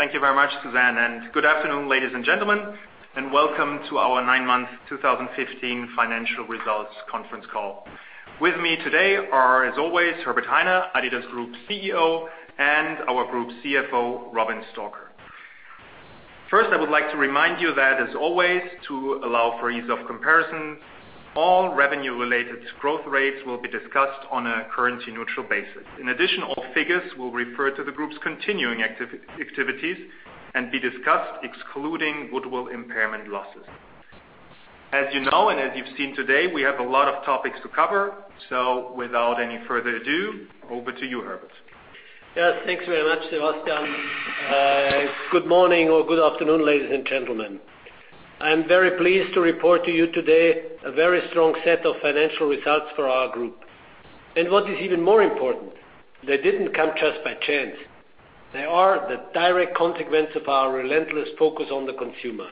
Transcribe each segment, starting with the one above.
Thank you very much, Suzanne, and good afternoon, ladies and gentlemen, and welcome to our nine-month 2015 financial results conference call. With me today are, as always, Herbert Hainer, adidas Group CEO, and our Group CFO, Robin Stalker. First, I would like to remind you that as always, to allow for ease of comparison, all revenue-related growth rates will be discussed on a currency-neutral basis. In addition, all figures will refer to the group's continuing activities and be discussed excluding goodwill impairment losses. As you know and as you've seen today, we have a lot of topics to cover. Without any further ado, over to you, Herbert. Yes. Thanks very much, Sebastian. Good morning or good afternoon, ladies and gentlemen. I am very pleased to report to you today a very strong set of financial results for our group. What is even more important, they didn't come just by chance. They are the direct consequence of our relentless focus on the consumer.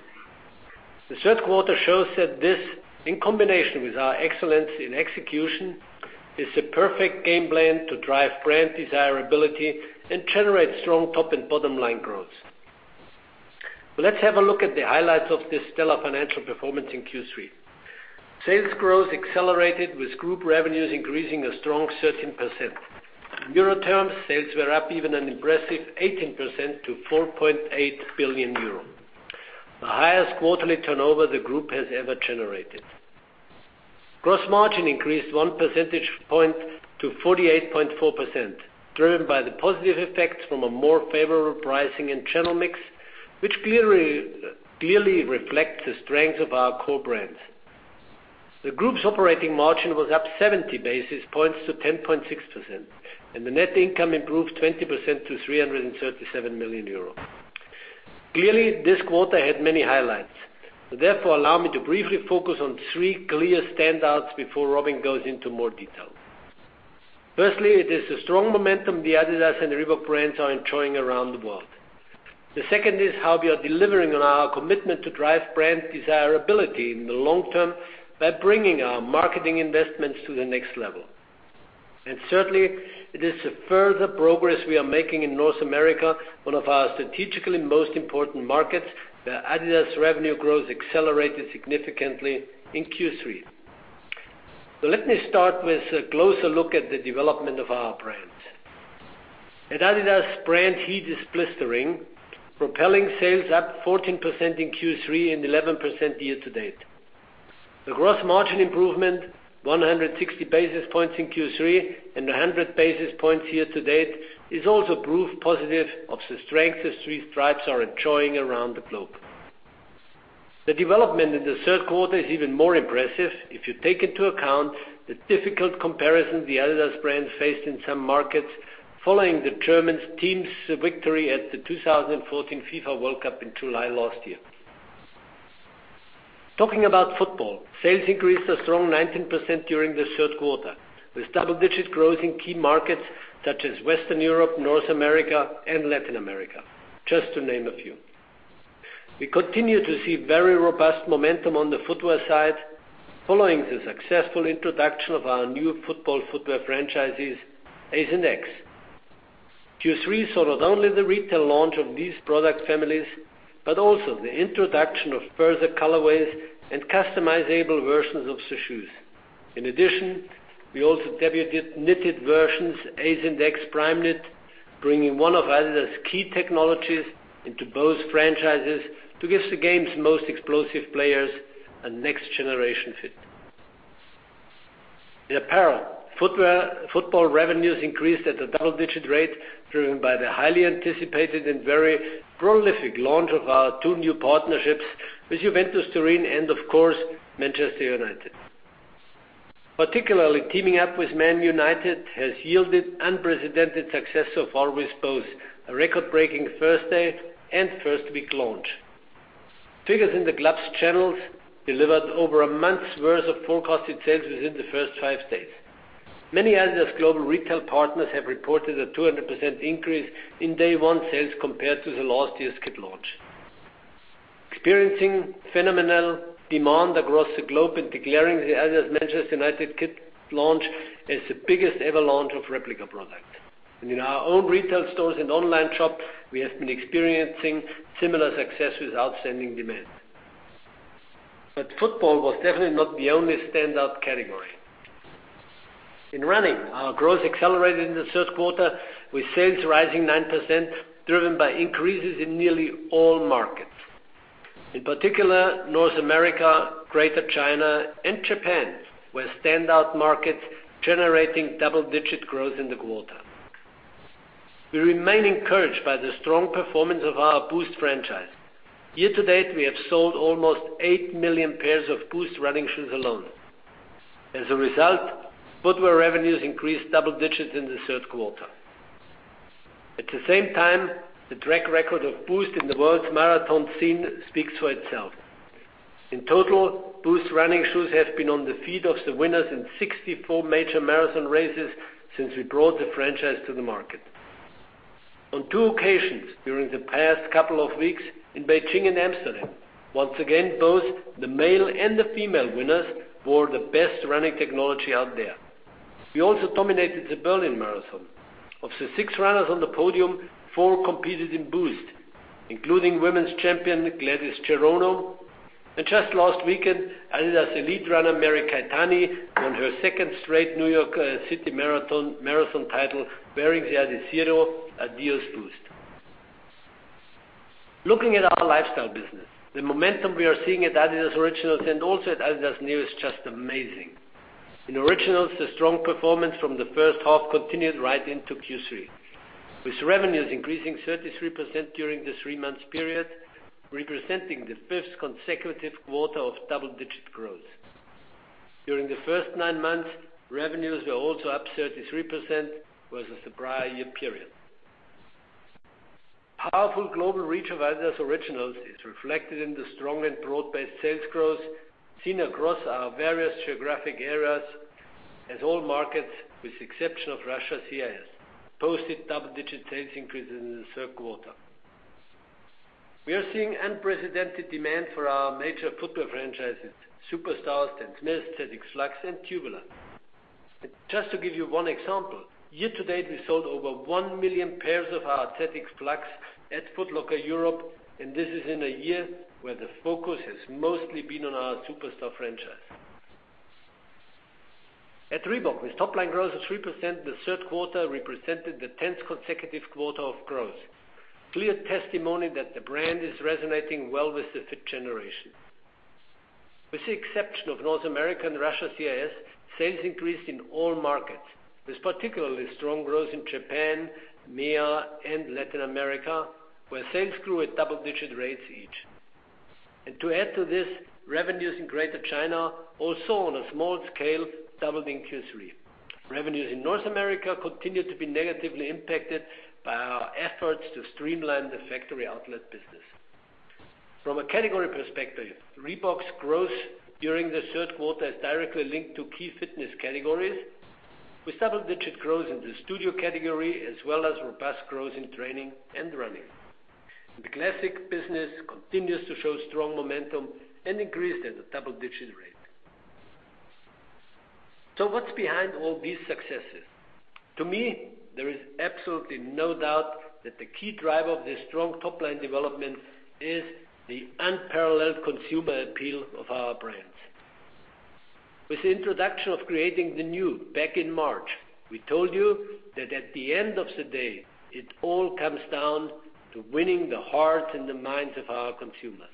The third quarter shows that this, in combination with our excellence in execution, is the perfect game plan to drive brand desirability and generate strong top and bottom line growth. Let's have a look at the highlights of this stellar financial performance in Q3. Sales growth accelerated with group revenues increasing a strong 13%. In euro terms, sales were up even an impressive 18% to 4.8 billion euro, the highest quarterly turnover the group has ever generated. Gross margin increased one percentage point to 48.4%, driven by the positive effects from a more favorable pricing and channel mix, which clearly reflect the strength of our core brands. The group's operating margin was up 70 basis points to 10.6%, and the net income improved 20% to 337 million euros. Clearly, this quarter had many highlights. Therefore, allow me to briefly focus on three clear standouts before Robin goes into more detail. Firstly, it is the strong momentum the adidas and Reebok brands are enjoying around the world. The second is how we are delivering on our commitment to drive brand desirability in the long term by bringing our marketing investments to the next level. Certainly, it is the further progress we are making in North America, one of our strategically most important markets, where adidas revenue growth accelerated significantly in Q3. Let me start with a closer look at the development of our brands. At adidas, brand heat is blistering, propelling sales up 14% in Q3 and 11% year-to-date. The gross margin improvement, 160 basis points in Q3 and 100 basis points year-to-date, is also proof positive of the strength the three stripes are enjoying around the globe. The development in the third quarter is even more impressive if you take into account the difficult comparison the adidas brand faced in some markets following the German team's victory at the 2014 FIFA World Cup in July last year. Talking about football, sales increased a strong 19% during the third quarter, with double-digit growth in key markets such as Western Europe, North America, and Latin America, just to name a few. We continue to see very robust momentum on the footwear side following the successful introduction of our new football footwear franchises, Ace and X. Q3 saw not only the retail launch of these product families, but also the introduction of further colorways and customizable versions of the shoes. In addition, we also debuted knitted versions, Ace and X Primeknit, bringing one of adidas' key technologies into both franchises to give the game's most explosive players a next generation fit. In apparel, football revenues increased at a double-digit rate, driven by the highly anticipated and very prolific launch of our 2 new partnerships with Juventus Turin and of course, Manchester United. Particularly, teaming up with Man United has yielded unprecedented success so far with both a record-breaking first day and first-week launch. Figures in the club's channels delivered over a month's worth of forecasted sales within the first 5 days. Many adidas global retail partners have reported a 200% increase in day 1 sales compared to the last year's kit launch. Experiencing phenomenal demand across the globe and declaring the adidas Manchester United kit launch as the biggest-ever launch of replica product. In our own retail stores and online shop, we have been experiencing similar success with outstanding demand. Football was definitely not the only standout category. In running, our growth accelerated in the third quarter with sales rising 9%, driven by increases in nearly all markets. In particular, North America, Greater China, and Japan were standout markets generating double-digit growth in the quarter. We remain encouraged by the strong performance of our Boost franchise. Year-to-date, we have sold almost 8 million pairs of Boost running shoes alone. As a result, footwear revenues increased double digits in the third quarter. At the same time, the track record of Boost in the world's marathon scene speaks for itself. In total, Boost running shoes have been on the feet of the winners in 64 major marathon races since we brought the franchise to the market. On 2 occasions during the past couple of weeks in Beijing and Amsterdam, once again, both the male and the female winners wore the best running technology out there. We also dominated the Berlin Marathon. Of the 6 runners on the podium, 4 competed in Boost, including women's champion, Gladys Cherono. Just last weekend, adidas elite runner Mary Keitany won her second straight New York City Marathon title, wearing the Adizero Adios Boost. Looking at our lifestyle business, the momentum we are seeing at adidas Originals and also at adidas Neo is just amazing. In Originals, the strong performance from the first half continued right into Q3, with revenues increasing 33% during this 3-month period, representing the fifth consecutive quarter of double-digit growth. During the first 9 months, revenues were also up 33% versus the prior year period. Powerful global reach of adidas Originals is reflected in the strong and broad-based sales growth seen across our various geographic areas as all markets, with the exception of Russia CIS, posted double-digit sales increases in the third quarter. We are seeing unprecedented demand for our major footwear franchises, Superstar and Stan Smith, ZX Flux and Tubular. To give you 1 example, year-to-date, we sold over 1 million pairs of our ZX Flux at Foot Locker Europe, and this is in a year where the focus has mostly been on our Superstar franchise. At Reebok, with top-line growth of 3%, the third quarter represented the 10th consecutive quarter of growth. Clear testimony that the brand is resonating well with the fit generation. With the exception of North America and Russia CIS, sales increased in all markets, with particularly strong growth in Japan, MEAA, and Latin America, where sales grew at double-digit rates each. To add to this, revenues in Greater China, also on a small scale, doubled in Q3. Revenues in North America continued to be negatively impacted by our efforts to streamline the factory outlet business. From a category perspective, Reebok's growth during the third quarter is directly linked to key fitness categories with double-digit growth in the studio category, as well as robust growth in training and running. The classic business continues to show strong momentum and increased at a double-digit rate. What's behind all these successes? To me, there is absolutely no doubt that the key driver of this strong top-line development is the unparalleled consumer appeal of our brands. With the introduction of Creating the New back in March, we told you that at the end of the day, it all comes down to winning the hearts and the minds of our consumers.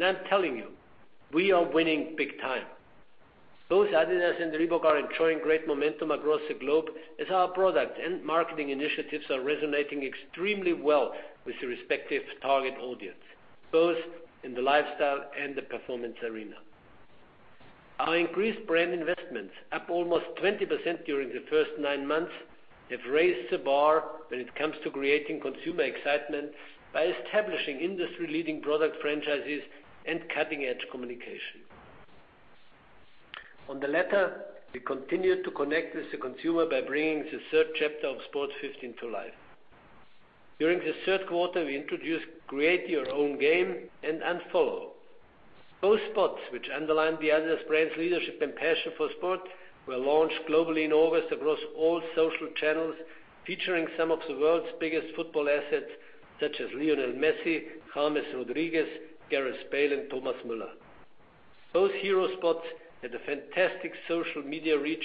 I'm telling you, we are winning big time. Both adidas and Reebok are enjoying great momentum across the globe as our product and marketing initiatives are resonating extremely well with the respective target audience, both in the lifestyle and the performance arena. Our increased brand investments, up almost 20% during the first nine months, have raised the bar when it comes to creating consumer excitement by establishing industry-leading product franchises and cutting-edge communication. On the latter, we continue to connect with the consumer by bringing the third chapter of Sport 15 to life. During the third quarter, we introduced Create Your Own Game and Unfollow. Both spots, which underline the adidas brand's leadership and passion for sport, were launched globally in August across all social channels, featuring some of the world's biggest football assets such as Lionel Messi, James Rodriguez, Gareth Bale, and Thomas Müller. Both hero spots had a fantastic social media reach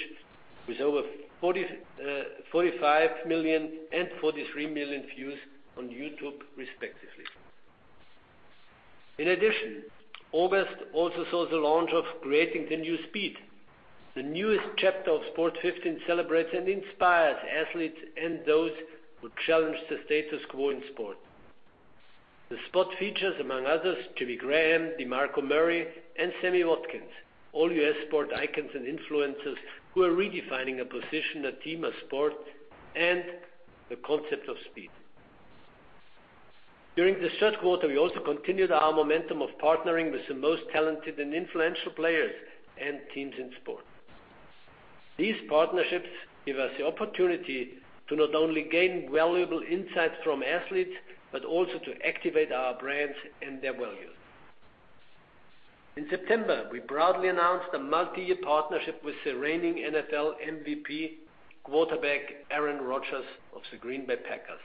with over 45 million and 43 million views on YouTube, respectively. In addition, August also saw the launch of Creating the New Speed. The newest chapter of Sport 15 celebrates and inspires athletes and those who challenge the status quo in sport. The spot features, among others, Jimmy Graham, DeMarco Murray, and Sammy Watkins, all U.S. sport icons and influencers who are redefining a position, a team, a sport, and the concept of speed. During the third quarter, we also continued our momentum of partnering with the most talented and influential players and teams in sport. These partnerships give us the opportunity to not only gain valuable insights from athletes, but also to activate our brands and their values. In September, we proudly announced a multi-year partnership with the reigning NFL MVP quarterback Aaron Rodgers of the Green Bay Packers.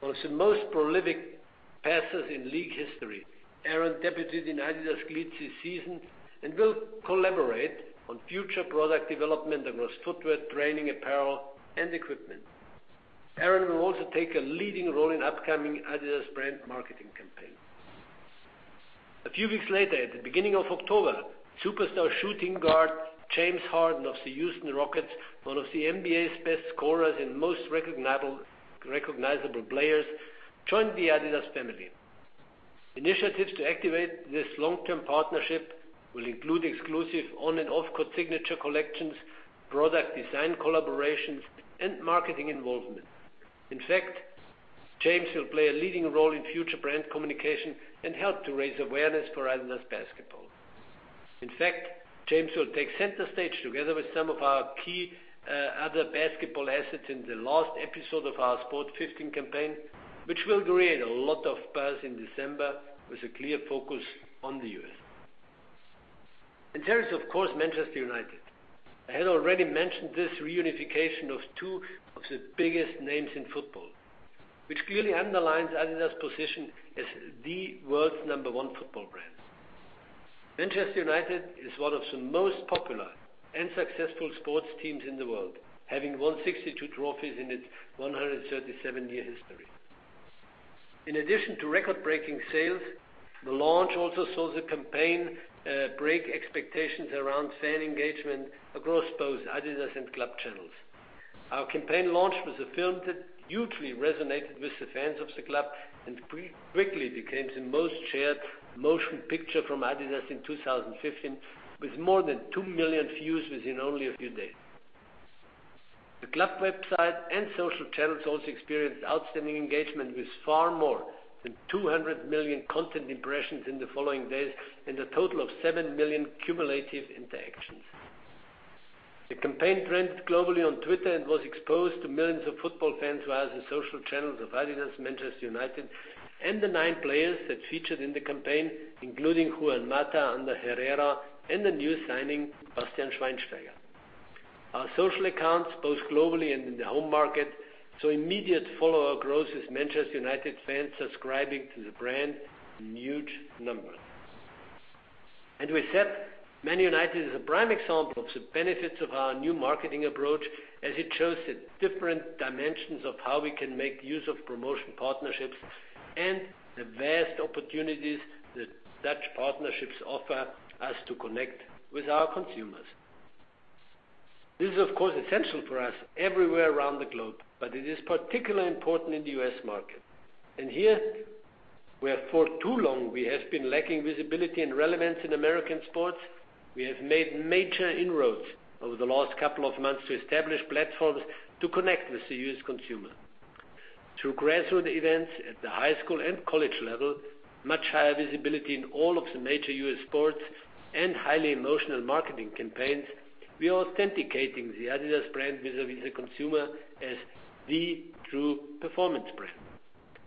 One of the most prolific passers in league history, Aaron debuted in adidas cleats this season and will collaborate on future product development across footwear, training, apparel, and equipment. Aaron will also take a leading role in upcoming adidas brand marketing campaign. A few weeks later, at the beginning of October, superstar shooting guard, James Harden of the Houston Rockets, one of the NBA's best scorers and most recognizable players, joined the adidas family. Initiatives to activate this long-term partnership will include exclusive on and off-court signature collections, product design collaborations, and marketing involvement. James will play a leading role in future brand communication and help to raise awareness for adidas basketball. James will take center stage together with some of our key other basketball assets in the last episode of our Sport 15 campaign, which will create a lot of buzz in December with a clear focus on the U.S. There is, of course, Manchester United. I had already mentioned this reunification of two of the biggest names in football, which clearly underlines adidas' position as the world's number one football brand. Manchester United is one of the most popular and successful sports teams in the world, having won 62 trophies in its 137-year history. In addition to record-breaking sales, the launch also saw the campaign break expectations around fan engagement across both adidas and club channels. Our campaign launch was a film that hugely resonated with the fans of the club and quickly became the most-shared motion picture from adidas in 2015, with more than 2 million views within only a few days. The club website and social channels also experienced outstanding engagement, with far more than 200 million content impressions in the following days and a total of 7 million cumulative interactions. The campaign trended globally on Twitter and was exposed to millions of football fans via the social channels of adidas, Manchester United, and the nine players that featured in the campaign, including Juan Mata, Ander Herrera, and the new signing, Bastian Schweinsteiger. Our social accounts, both globally and in the home market, saw immediate follower growth as Manchester United fans subscribing to the brand in huge numbers. With that, Man United is a prime example of the benefits of our new marketing approach, as it shows the different dimensions of how we can make use of promotion partnerships and the vast opportunities that such partnerships offer us to connect with our consumers. This is, of course, essential for us everywhere around the globe, but it is particularly important in the U.S. market. Here, where for too long, we have been lacking visibility and relevance in American sports, we have made major inroads over the last couple of months to establish platforms to connect with the U.S. consumer. Through grassroots events at the high school and college level, much higher visibility in all of the major U.S. sports, and highly emotional marketing campaigns, we are authenticating the adidas brand vis-à-vis the consumer as the true performance brand.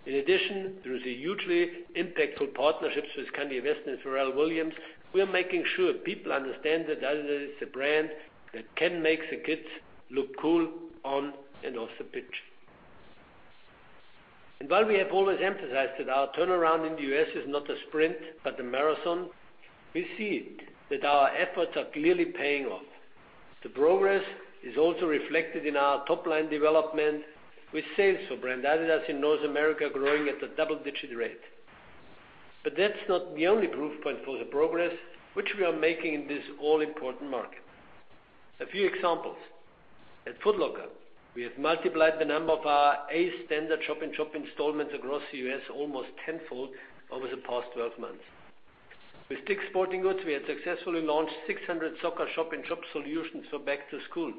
In addition, through the hugely impactful partnerships with Kanye West and Pharrell Williams, we are making sure people understand that adidas is the brand that can make the kids look cool on and off the pitch. While we have always emphasized that our turnaround in the U.S. is not a sprint but a marathon, we see it, that our efforts are clearly paying off. The progress is also reflected in our top-line development, with sales for brand adidas in North America growing at a double-digit rate. That's not the only proof point for the progress which we are making in this all-important market. A few examples. At Foot Locker, we have multiplied the number of our A-standard shop-in-shop installments across the U.S. almost tenfold over the past 12 months. With Dick's Sporting Goods, we had successfully launched 600 soccer shop-in-shop solutions for back to school.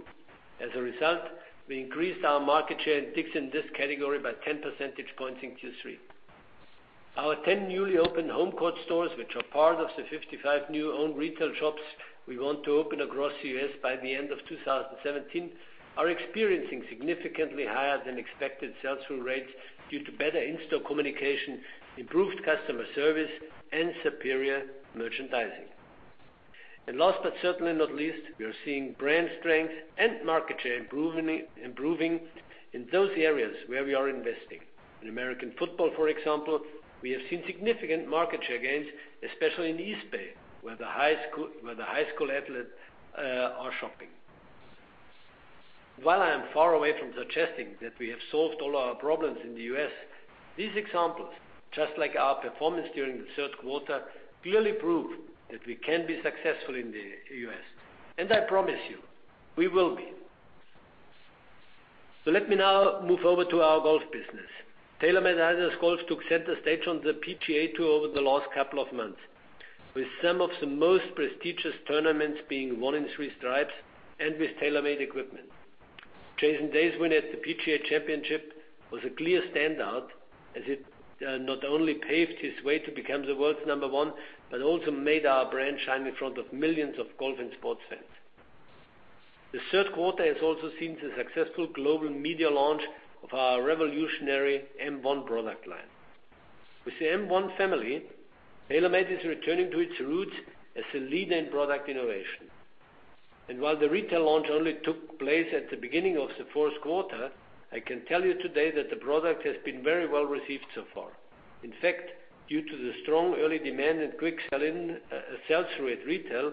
As a result, we increased our market share in Dick's in this category by 10 percentage points in Q3. Our 10 newly opened home court stores, which are part of the 55 new owned retail shops we want to open across the U.S. by the end of 2017, are experiencing significantly higher-than-expected sell-through rates due to better in-store communication, improved customer service, and superior merchandising. Last but certainly not least, we are seeing brand strength and market share improving in those areas where we are investing. In American football, for example, we have seen significant market share gains, especially in the Eastbay, where the high school athletes are shopping. While I am far away from suggesting that we have solved all our problems in the U.S., these examples, just like our performance during the third quarter, clearly prove that we can be successful in the U.S., and I promise you, we will be. Let me now move over to our golf business. TaylorMade-adidas Golf took center stage on the PGA Tour over the last couple of months, with some of the most prestigious tournaments being won in three stripes and with TaylorMade equipment. Jason Day's win at the PGA Championship was a clear standout, as it not only paved his way to become the world's number one, but also made our brand shine in front of millions of golf and sports fans. The third quarter has also seen the successful global media launch of our revolutionary M1 product line. With the M1 family, TaylorMade is returning to its roots as a lead in product innovation. While the retail launch only took place at the beginning of the fourth quarter, I can tell you today that the product has been very well received so far. In fact, due to the strong early demand and quick sell-in, sell-through at retail,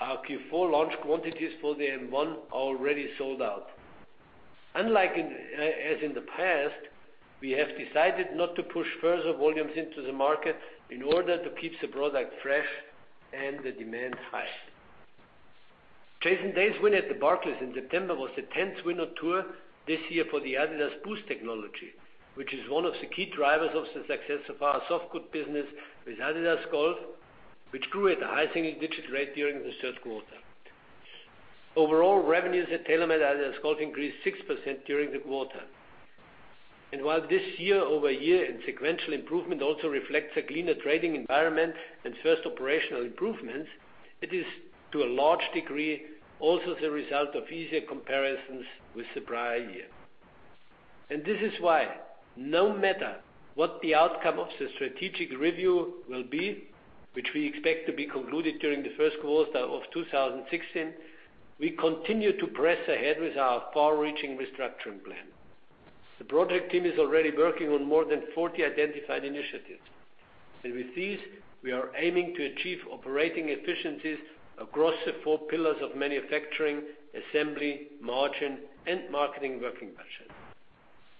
our Q4 launch quantities for the M1 are already sold out. Unlike as in the past, we have decided not to push further volumes into the market in order to keep the product fresh and the demand high. Jason Day's win at The Barclays in September was the 10th win on tour this year for the adidas Boost technology, which is one of the key drivers of the success of our soft goods business with adidas Golf, which grew at a high single-digit rate during the third quarter. Overall revenues at TaylorMade-adidas Golf increased 6% during the quarter. While this year-over-year and sequential improvement also reflects a cleaner trading environment and first operational improvements, it is to a large degree also the result of easier comparisons with the prior year. This is why, no matter what the outcome of the strategic review will be, which we expect to be concluded during the first quarter of 2016, we continue to press ahead with our far-reaching restructuring plan. The project team is already working on more than 40 identified initiatives. With these, we are aiming to achieve operating efficiencies across the four pillars of manufacturing, assembly, margin, and marketing working budget.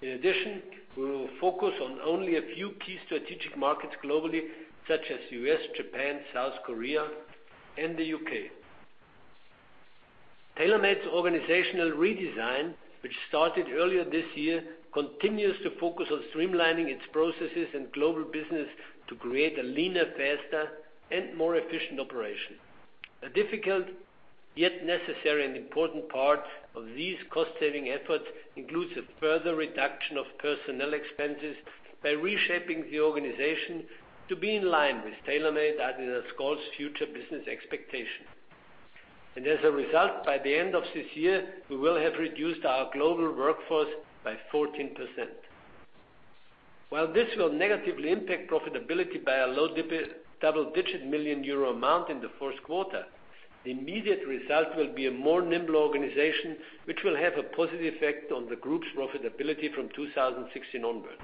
In addition, we will focus on only a few key strategic markets globally, such as U.S., Japan, South Korea, and the U.K. TaylorMade's organizational redesign, which started earlier this year, continues to focus on streamlining its processes and global business to create a leaner, faster, and more efficient operation. A difficult, yet necessary and important part of these cost-saving efforts includes a further reduction of personnel expenses by reshaping the organization to be in line with TaylorMade-adidas Golf's future business expectation. As a result, by the end of this year, we will have reduced our global workforce by 14%. While this will negatively impact profitability by a low double-digit million EUR amount in the first quarter, the immediate result will be a nimbler organization, which will have a positive effect on the group's profitability from 2016 onwards.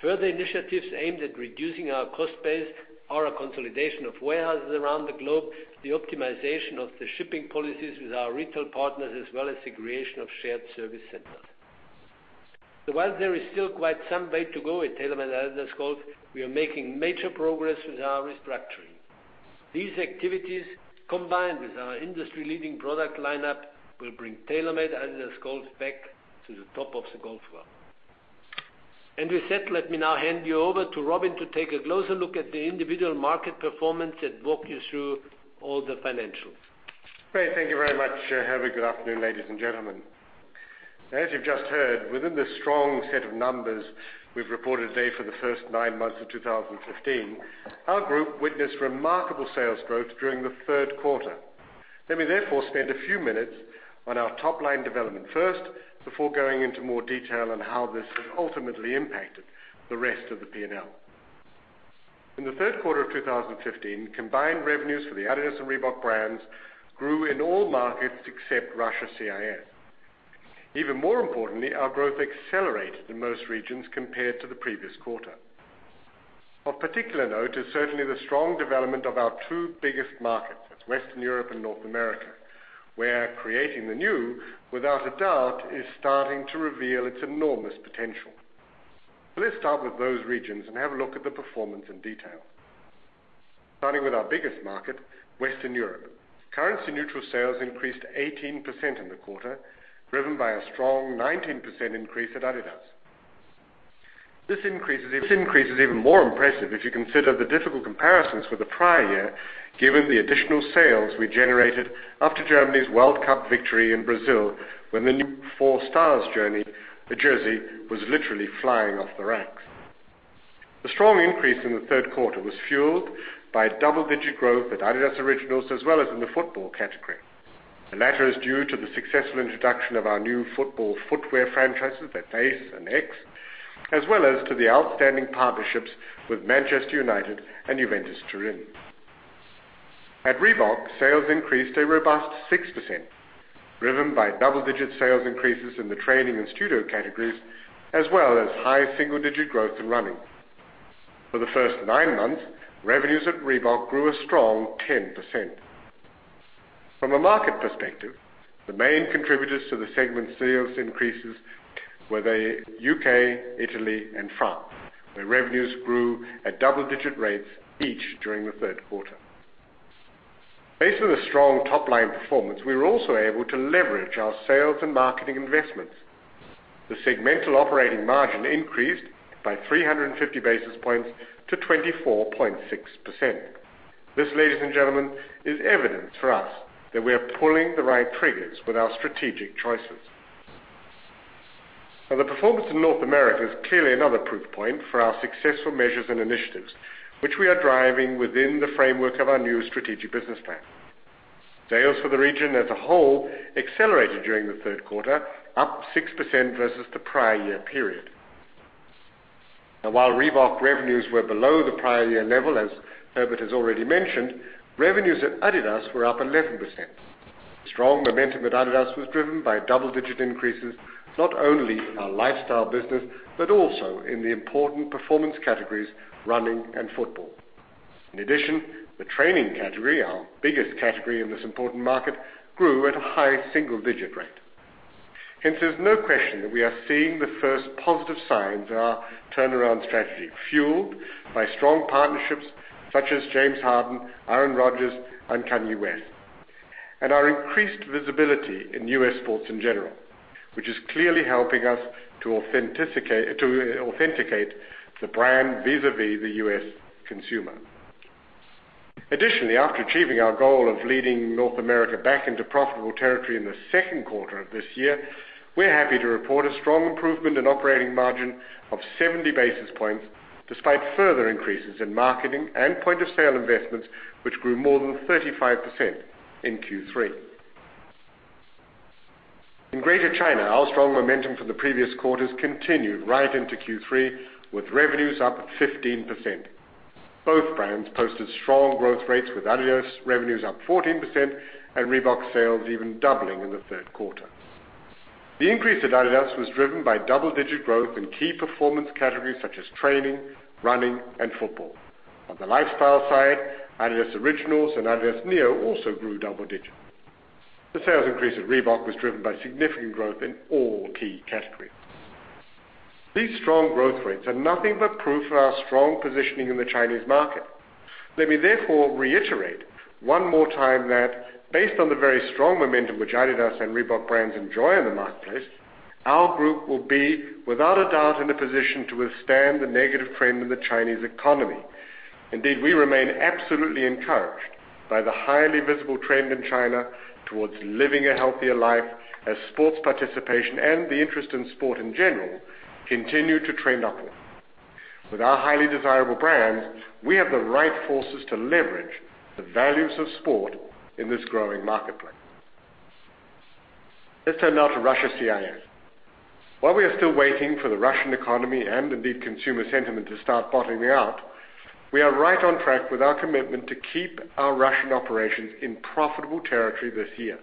Further initiatives aimed at reducing our cost base are a consolidation of warehouses around the globe, the optimization of the shipping policies with our retail partners, as well as the creation of shared service centers. While there is still quite some way to go at TaylorMade-adidas Golf, we are making major progress with our restructuring. These activities, combined with our industry-leading product lineup, will bring TaylorMade-adidas Golf back to the top of the golf world. With that, let me now hand you over to Robin to take a closer look at the individual market performance and walk you through all the financials. Great. Thank you very much, Herbert. Good afternoon, ladies and gentlemen. As you've just heard, within the strong set of numbers we've reported today for the first nine months of 2015, our group witnessed remarkable sales growth during the third quarter. Let me therefore spend a few minutes on our top-line development first, before going into more detail on how this has ultimately impacted the rest of the P&L. In the third quarter of 2015, combined revenues for the adidas and Reebok brands grew in all markets except Russia/CIS. Even more importantly, our growth accelerated in most regions compared to the previous quarter. Of particular note is certainly the strong development of our two biggest markets, that's Western Europe and North America, where Creating the New, without a doubt, is starting to reveal its enormous potential. Let's start with those regions and have a look at the performance in detail. Starting with our biggest market, Western Europe. Currency-neutral sales increased 18% in the quarter, driven by a strong 19% increase at adidas. This increase is even more impressive if you consider the difficult comparisons with the prior year, given the additional sales we generated after Germany's World Cup victory in Brazil, when the new four-stars jersey was literally flying off the racks. The strong increase in the third quarter was fueled by double-digit growth at adidas Originals, as well as in the football category. The latter is due to the successful introduction of our new football footwear franchises, the Ace and X, as well as to the outstanding partnerships with Manchester United and Juventus Turin. At Reebok, sales increased a robust 6%, driven by double-digit sales increases in the Training and Studio categories, as well as high single-digit growth in Running. For the first nine months, revenues at Reebok grew a strong 10%. From a market perspective, the main contributors to the segment sales increases were the U.K., Italy, and France, where revenues grew at double-digit rates each during the third quarter. Based on the strong top-line performance, we were also able to leverage our sales and marketing investments. The segmental operating margin increased by 350 basis points to 24.6%. This, ladies and gentlemen, is evidence for us that we are pulling the right triggers with our strategic choices. The performance in North America is clearly another proof point for our successful measures and initiatives, which we are driving within the framework of our new strategic business plan. Sales for the region as a whole accelerated during the third quarter, up 6% versus the prior year period. While Reebok revenues were below the prior year level, as Herbert has already mentioned, revenues at adidas were up 11%. Strong momentum at adidas was driven by double-digit increases, not only in our lifestyle business, but also in the important performance categories, running and football. In addition, the training category, our biggest category in this important market, grew at a high single-digit rate. Hence, there's no question that we are seeing the first positive signs in our turnaround strategy, fueled by strong partnerships such as James Harden, Aaron Rodgers, and Kanye West. And our increased visibility in U.S. sports in general, which is clearly helping us to authenticate the brand vis-à-vis the U.S. consumer. Additionally, after achieving our goal of leading North America back into profitable territory in the second quarter of this year, we're happy to report a strong improvement in operating margin of 70 basis points, despite further increases in marketing and point-of-sale investments, which grew more than 35% in Q3. In Greater China, our strong momentum from the previous quarters continued right into Q3, with revenues up 15%. Both brands posted strong growth rates, with adidas revenues up 14% and Reebok sales even doubling in the third quarter. The increase at adidas was driven by double-digit growth in key performance categories such as training, running, and football. On the lifestyle side, adidas Originals and adidas Neo also grew double digits. The sales increase at Reebok was driven by significant growth in all key categories. These strong growth rates are nothing but proof of our strong positioning in the Chinese market. Let me therefore reiterate one more time that based on the very strong momentum which adidas and Reebok brands enjoy in the marketplace, our group will be, without a doubt, in a position to withstand the negative trend in the Chinese economy. Indeed, we remain absolutely encouraged by the highly visible trend in China towards living a healthier life as sports participation and the interest in sport in general continue to trend upward. With our highly desirable brands, we have the right forces to leverage the values of sport in this growing marketplace. Let's turn now to Russia/CIS. While we are still waiting for the Russian economy and indeed consumer sentiment to start bottoming out, we are right on track with our commitment to keep our Russian operations in profitable territory this year.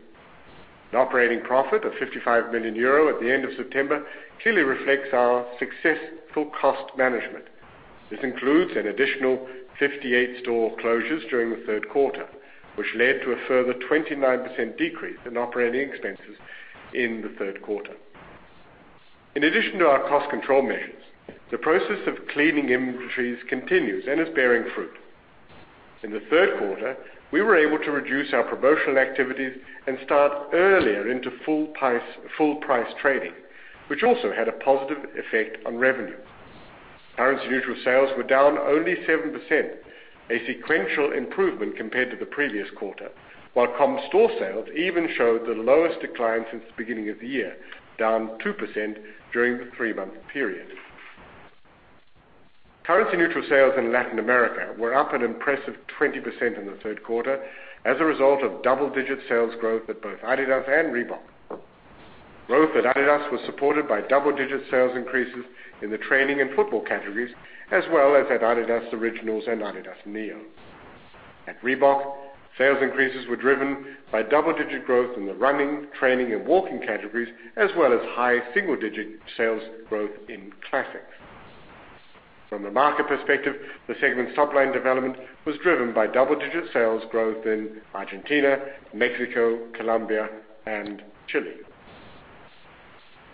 An operating profit of 55 million euro at the end of September clearly reflects our successful cost management. This includes an additional 58 store closures during the third quarter, which led to a further 29% decrease in operating expenses in the third quarter. In addition to our cost control measures, the process of cleaning inventories continues and is bearing fruit. In the third quarter, we were able to reduce our promotional activities and start earlier into full-price trading, which also had a positive effect on revenue. Currency-neutral sales were down only 7%, a sequential improvement compared to the previous quarter. While comp store sales even showed the lowest decline since the beginning of the year, down 2% during the three-month period. Currency-neutral sales in Latin America were up an impressive 20% in the third quarter as a result of double-digit sales growth at both adidas and Reebok. Growth at adidas was supported by double-digit sales increases in the training and football categories, as well as at adidas Originals and adidas Neo. At Reebok, sales increases were driven by double-digit growth in the running, training, and walking categories, as well as high single-digit sales growth in classics. From a market perspective, the segment's top-line development was driven by double-digit sales growth in Argentina, Mexico, Colombia, and Chile.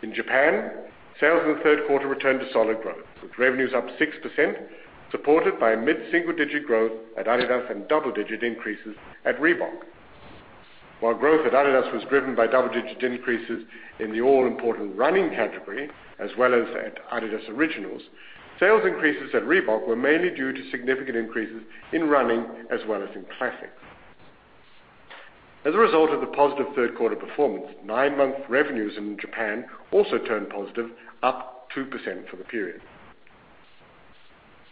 In Japan, sales in the third quarter returned to solid growth, with revenues up 6%, supported by mid-single-digit growth at adidas and double-digit increases at Reebok. While growth at adidas was driven by double-digit increases in the all-important running category, as well as at adidas Originals, sales increases at Reebok were mainly due to significant increases in running as well as in classics. As a result of the positive third quarter performance, nine-month revenues in Japan also turned positive, up 2% for the period.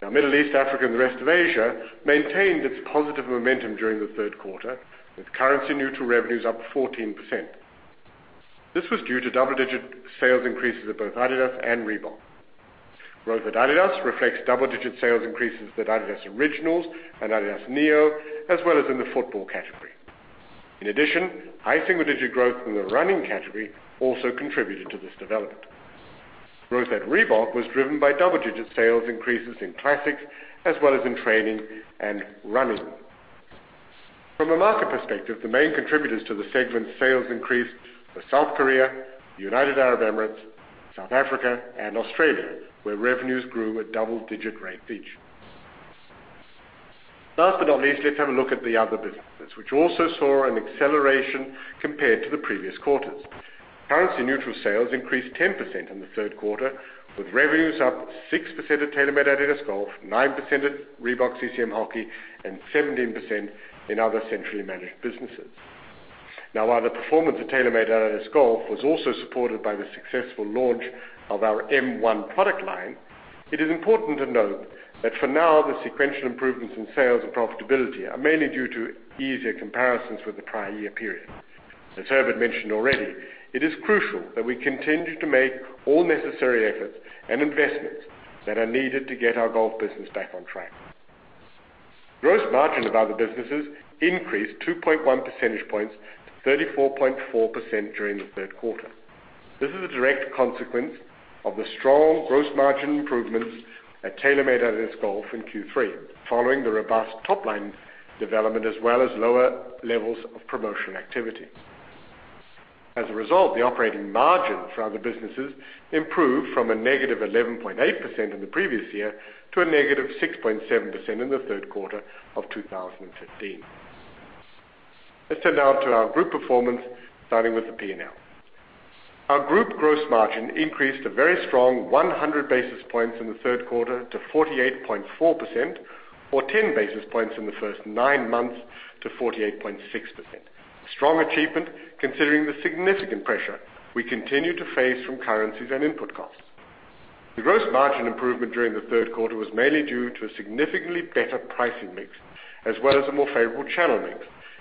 Now, Middle East, Africa, and the rest of Asia maintained its positive momentum during the third quarter, with currency-neutral revenues up 14%. This was due to double-digit sales increases at both adidas and Reebok. Growth at adidas reflects double-digit sales increases at adidas Originals and adidas Neo, as well as in the football category. In addition, high single-digit growth in the running category also contributed to this development. Growth at Reebok was driven by double-digit sales increases in classics as well as in training and running. From a market perspective, the main contributors to the segment's sales increase were South Korea, United Arab Emirates, South Africa, and Australia, where revenues grew at double-digit rate each. Last but not least, let's have a look at the other businesses, which also saw an acceleration compared to the previous quarters. Currency-neutral sales increased 10% in the third quarter, with revenues up 6% at TaylorMade-adidas Golf, 9% at Reebok-CCM Hockey, and 17% in other centrally managed businesses. While the performance at TaylorMade-adidas Golf was also supported by the successful launch of our M1 product line, it is important to note that for now, the sequential improvements in sales and profitability are mainly due to easier comparisons with the prior year period. As Herbert mentioned already, it is crucial that we continue to make all necessary efforts and investments that are needed to get our golf business back on track. Gross margin of other businesses increased 2.1 percentage points to 34.4% during the third quarter. This is a direct consequence of the strong gross margin improvements at TaylorMade-adidas Golf in Q3 following the robust top-line development, as well as lower levels of promotional activity. As a result, the operating margin for other businesses improved from a negative 11.8% in the previous year to a negative 6.7% in the third quarter of 2015. Let's turn now to our group performance, starting with the P&L. Our group gross margin increased a very strong 100 basis points in the third quarter to 48.4%, or 10 basis points in the first nine months to 48.6%. A strong achievement considering the significant pressure we continue to face from currencies and input costs. The gross margin improvement during the third quarter was mainly due to a significantly better pricing mix, as well as a more favorable channel mix,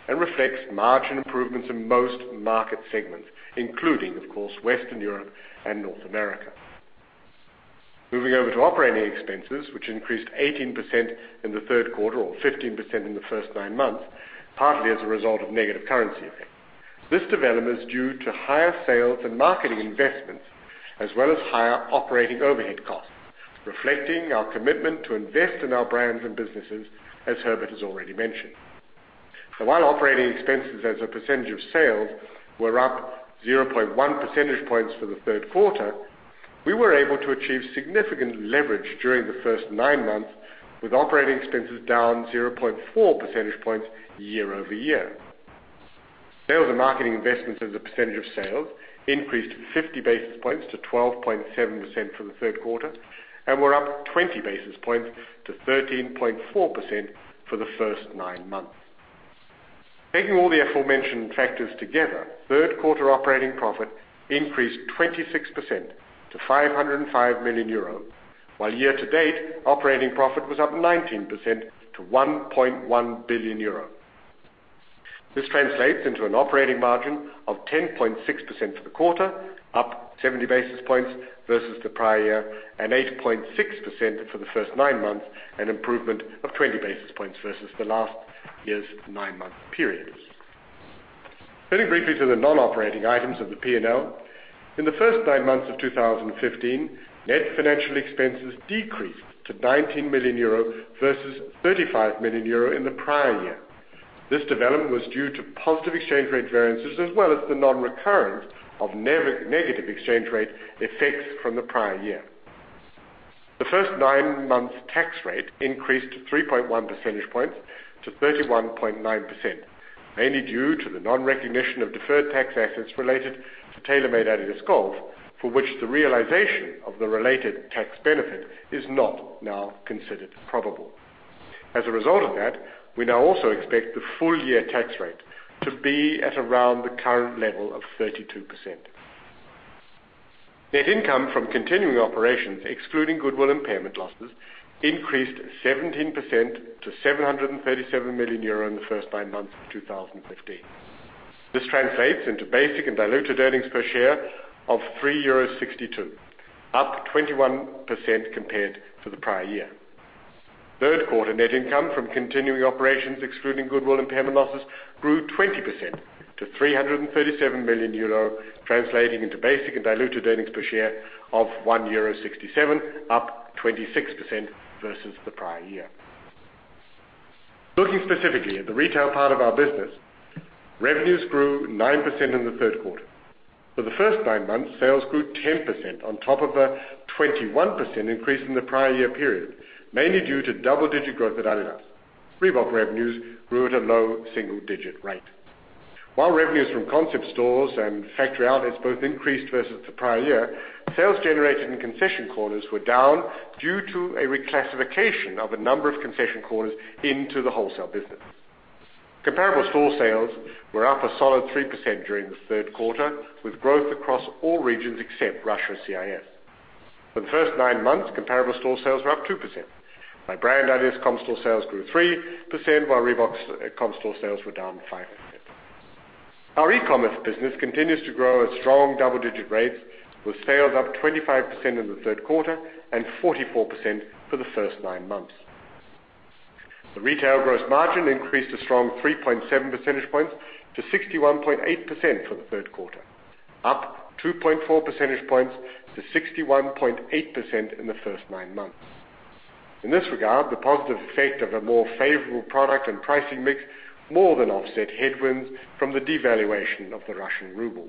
and reflects margin improvements in most market segments, including, of course, Western Europe and North America. Moving over to operating expenses, which increased 18% in the third quarter, or 15% in the first nine months, partly as a result of negative currency effects. This development is due to higher sales and marketing investments, as well as higher operating overhead costs, reflecting our commitment to invest in our brands and businesses, as Herbert has already mentioned. While operating expenses as a percentage of sales were up 0.1 percentage points for the third quarter, we were able to achieve significant leverage during the first nine months, with operating expenses down 0.4 percentage points year-over-year. Sales and marketing investments as a percentage of sales increased 50 basis points to 12.7% for the third quarter, and were up 20 basis points to 13.4% for the first nine months. Taking all the aforementioned factors together, third quarter operating profit increased 26% to 505 million euros, while year-to-date operating profit was up 19% to 1.1 billion euros. This translates into an operating margin of 10.6% for the quarter, up 70 basis points versus the prior year, and 8.6% for the first nine months, an improvement of 20 basis points versus the last year's nine-month period. Turning briefly to the non-operating items of the P&L, in the first nine months of 2015, net financial expenses decreased to 19 million euro, versus 35 million euro in the prior year. This development was due to positive exchange rate variances as well as the non-recurrence of negative exchange rate effects from the prior year. The first nine months tax rate increased 3.1 percentage points to 31.9%, mainly due to the non-recognition of deferred tax assets related to TaylorMade-adidas Golf, for which the realization of the related tax benefit is not now considered probable. Result of that, we now also expect the full-year tax rate to be at around the current level of 32%. Net income from continuing operations, excluding goodwill impairment losses, increased 17% to 737 million euro in the first nine months of 2015. This translates into basic and diluted earnings per share of 3.62 euro, up 21% compared to the prior year. Third quarter net income from continuing operations excluding goodwill impairment losses grew 20% to 337 million euro, translating into basic and diluted earnings per share of 1.67 euro, up 26% versus the prior year. Looking specifically at the retail part of our business, revenues grew 9% in the third quarter. For the first nine months, sales grew 10% on top of a 21% increase in the prior year period, mainly due to double-digit growth at adidas. Reebok revenues grew at a low single-digit rate. While revenues from concept stores and factory outlets both increased versus the prior year, sales generated in concession corners were down due to a reclassification of a number of concession corners into the wholesale business. Comparable store sales were up a solid 3% during the third quarter, with growth across all regions except Russia and CIS. For the first nine months, comparable store sales were up 2%. By brand, adidas comp store sales grew 3%, while Reebok comp store sales were down 5%. Our e-commerce business continues to grow at strong double-digit rates, with sales up 25% in the third quarter and 44% for the first nine months. The retail gross margin increased a strong 3.7 percentage points to 61.8% for the third quarter, up 2.4 percentage points to 61.8% in the first nine months. In this regard, the positive effect of a more favorable product and pricing mix more than offset headwinds from the devaluation of the Russian ruble.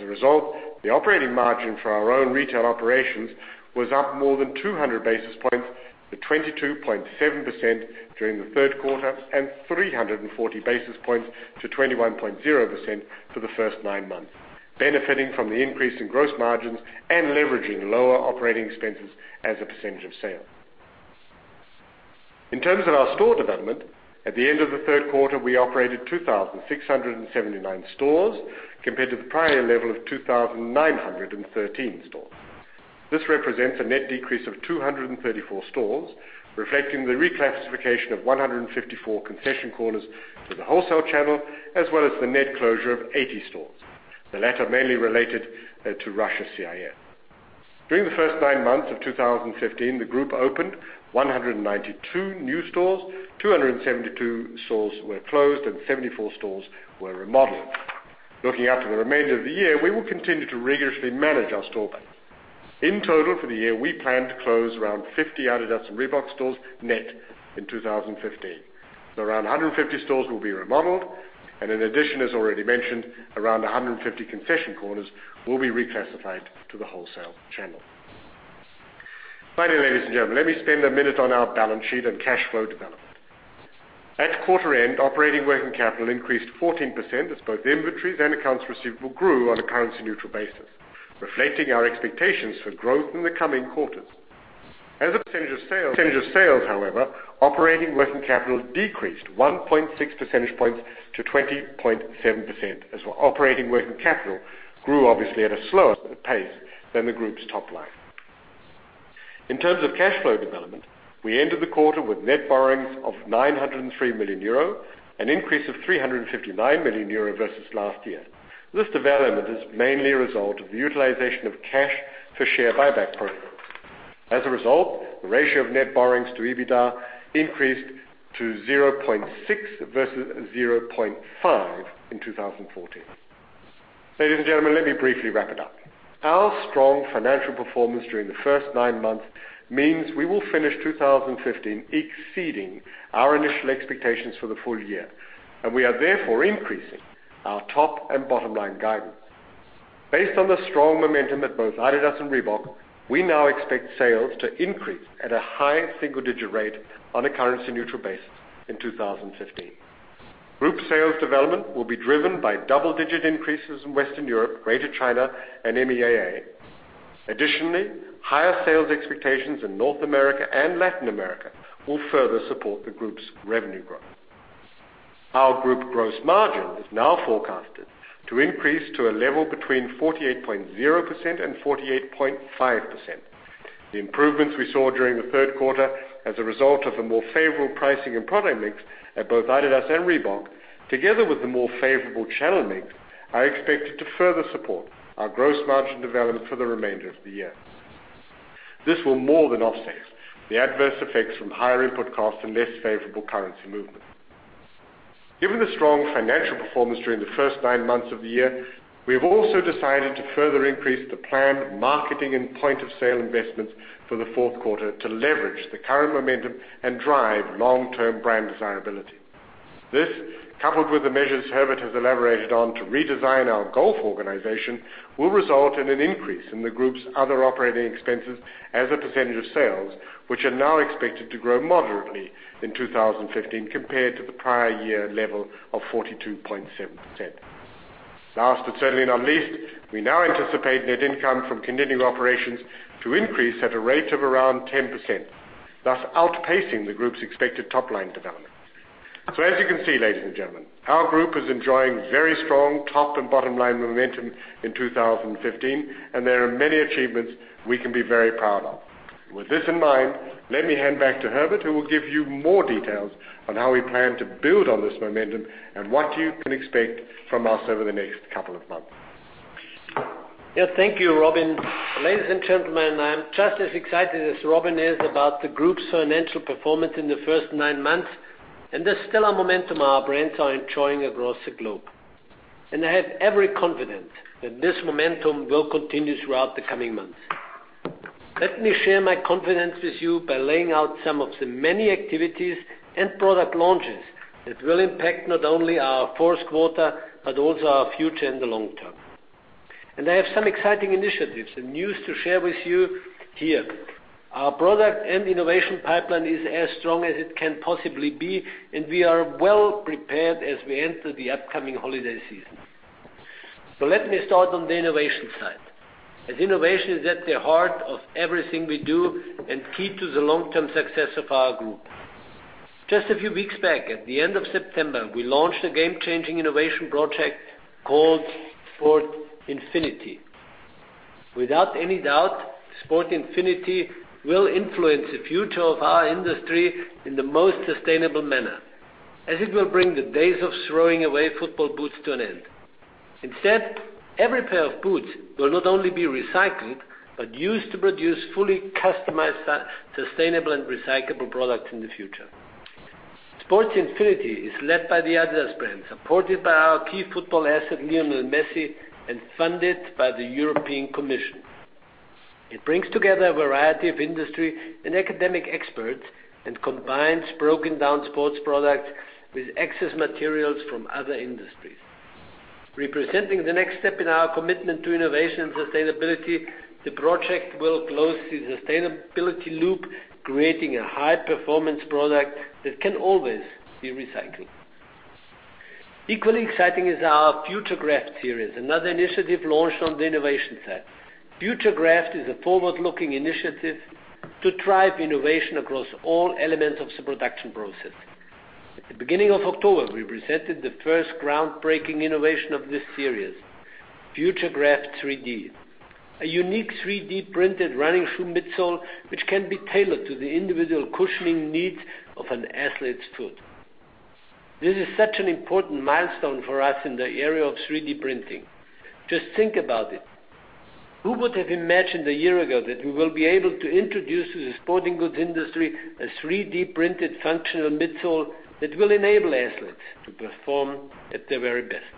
Result, the operating margin for our own retail operations was up more than 200 basis points to 22.7% during the third quarter and 340 basis points to 21.0% for the first nine months, benefiting from the increase in gross margins and leveraging lower operating expenses as a percentage of sales. In terms of our store development, at the end of the third quarter, we operated 2,679 stores compared to the prior year level of 2,913 stores. This represents a net decrease of 234 stores, reflecting the reclassification of 154 concession corners to the wholesale channel, as well as the net closure of 80 stores, the latter mainly related to Russia CIS. During the first nine months of 2015, the group opened 192 new stores, 272 stores were closed, and 74 stores were remodeled. Looking out to the remainder of the year, we will continue to rigorously manage our store base. In total, for the year, we plan to close around 50 adidas and Reebok stores net in 2015. Around 150 stores will be remodeled, and in addition, as already mentioned, around 150 concession corners will be reclassified to the wholesale channel. Finally, ladies and gentlemen, let me spend a minute on our balance sheet and cash flow development. At quarter end, operating working capital increased 14% as both inventories and accounts receivable grew on a currency-neutral basis, reflecting our expectations for growth in the coming quarters. As a percentage of sales, however, operating working capital decreased 1.6 percentage points to 20.7%, as operating working capital grew, obviously, at a slower pace than the group's top line. In terms of cash flow development, we entered the quarter with net borrowings of 903 million euro, an increase of 359 million euro versus last year. This development is mainly a result of the utilization of cash for share buyback programs. As a result, the ratio of net borrowings to EBITDA increased to 0.6 versus 0.5 in 2014. Ladies and gentlemen, let me briefly wrap it up. Our strong financial performance during the first nine months means we will finish 2015 exceeding our initial expectations for the full year. We are therefore increasing our top and bottom line guidance. Based on the strong momentum at both adidas and Reebok, we now expect sales to increase at a high single-digit rate on a currency-neutral basis in 2015. Group sales development will be driven by double-digit increases in Western Europe, Greater China and MEAA. Additionally, higher sales expectations in North America and Latin America will further support the group's revenue growth. Our group gross margin is now forecasted to increase to a level between 48.0% and 48.5%. The improvements we saw during the third quarter as a result of a more favorable pricing and product mix at both adidas and Reebok, together with the more favorable channel mix, are expected to further support our gross margin development for the remainder of the year. This will more than offset the adverse effects from higher input costs and less favorable currency movements. Given the strong financial performance during the first nine months of the year, we have also decided to further increase the planned marketing and point-of-sale investments for the fourth quarter to leverage the current momentum and drive long-term brand desirability. This, coupled with the measures Herbert has elaborated on to redesign our golf organization, will result in an increase in the group's other operating expenses as a percentage of sales, which are now expected to grow moderately in 2015 compared to the prior year level of 42.7%. Last, but certainly not least, we now anticipate net income from continuing operations to increase at a rate of around 10%, thus outpacing the group's expected top-line development. As you can see, ladies and gentlemen, our group is enjoying very strong top and bottom-line momentum in 2015. There are many achievements we can be very proud of. With this in mind, let me hand back to Herbert, who will give you more details on how we plan to build on this momentum and what you can expect from us over the next couple of months. Yes, thank you, Robin. Ladies and gentlemen, I am just as excited as Robin is about the group's financial performance in the first nine months and the stellar momentum our brands are enjoying across the globe. I have every confidence that this momentum will continue throughout the coming months. Let me share my confidence with you by laying out some of the many activities and product launches that will impact not only our fourth quarter, but also our future in the long term. I have some exciting initiatives and news to share with you here. Our product and innovation pipeline is as strong as it can possibly be, and we are well prepared as we enter the upcoming holiday season. Let me start on the innovation side, as innovation is at the heart of everything we do and key to the long-term success of our group. Just a few weeks back, at the end of September, we launched a game-changing innovation project called Sport Infinity. Without any doubt, Sport Infinity will influence the future of our industry in the most sustainable manner, as it will bring the days of throwing away football boots to an end. Instead, every pair of boots will not only be recycled, but used to produce fully customized, sustainable and recyclable products in the future. Sport Infinity is led by the adidas brand, supported by our key football asset, Lionel Messi, and funded by the European Commission. It brings together a variety of industry and academic experts and combines broken-down sports products with excess materials from other industries. Representing the next step in our commitment to innovation and sustainability, the project will close the sustainability loop, creating a high-performance product that can always be recycled. Equally exciting is our Futurecraft series, another initiative launched on the innovation side. Futurecraft is a forward-looking initiative to drive innovation across all elements of the production process. At the beginning of October, we presented the first groundbreaking innovation of this series, Futurecraft 3D, a unique 3D-printed running shoe midsole which can be tailored to the individual cushioning needs of an athlete's foot. This is such an important milestone for us in the area of 3D printing. Just think about it. Who would have imagined a year ago that we will be able to introduce to the sporting goods industry a 3D-printed functional midsole that will enable athletes to perform at their very best?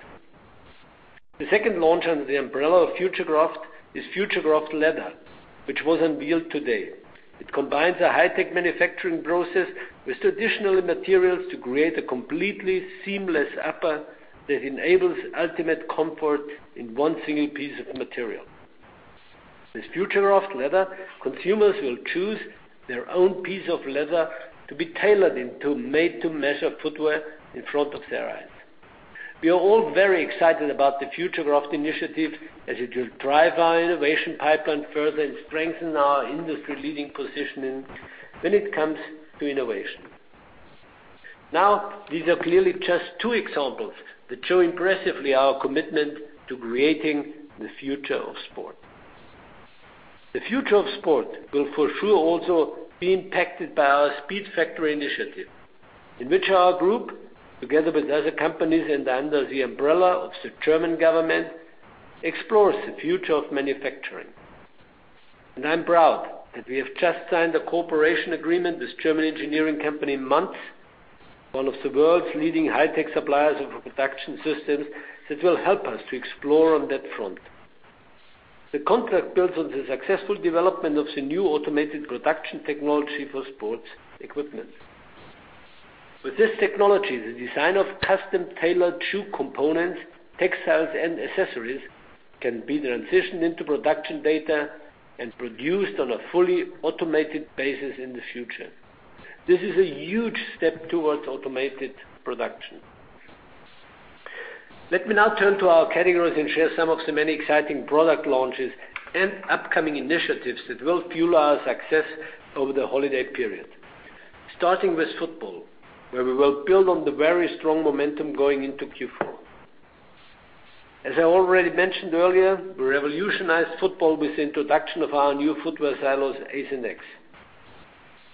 The second launch under the umbrella of Futurecraft is Futurecraft Leather, which was unveiled today. It combines a high-tech manufacturing process with traditional materials to create a completely seamless upper that enables ultimate comfort in one single piece of material. With Futurecraft Leather, consumers will choose their own piece of leather to be tailored into made-to-measure footwear in front of their eyes. We are all very excited about the Futurecraft initiative, as it will drive our innovation pipeline further and strengthen our industry-leading position when it comes to innovation. These are clearly just two examples that show impressively our commitment to creating the future of sport. The future of sport will for sure also be impacted by our Speedfactory initiative, in which our group, together with other companies and under the umbrella of the German government, explores the future of manufacturing. I'm proud that we have just signed a cooperation agreement with German engineering company, Manz, one of the world's leading high-tech suppliers of production systems, that will help us to explore on that front. The contract builds on the successful development of the new automated production technology for sports equipment. With this technology, the design of custom-tailored shoe components, textiles, and accessories can be transitioned into production data and produced on a fully automated basis in the future. This is a huge step towards automated production. Let me now turn to our categories and share some of the many exciting product launches and upcoming initiatives that will fuel our success over the holiday period. Starting with football, where we will build on the very strong momentum going into Q4. As I already mentioned earlier, we revolutionized football with the introduction of our new footwear silos, Ace and X.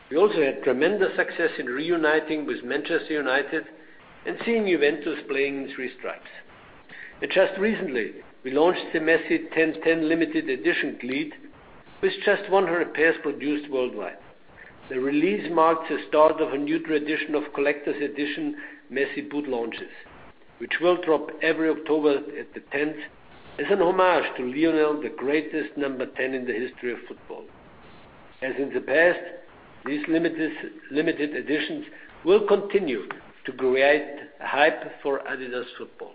We also had tremendous success in reuniting with Manchester United and seeing Juventus playing in Three Stripes. Just recently, we launched the Messi 10/10 limited edition cleat, with just 100 pairs produced worldwide. The release marks the start of a new tradition of collector's edition Messi boot launches, which will drop every October at the 10th as an homage to Lionel, the greatest number 10 in the history of football. As in the past, these limited editions will continue to create a hype for adidas football.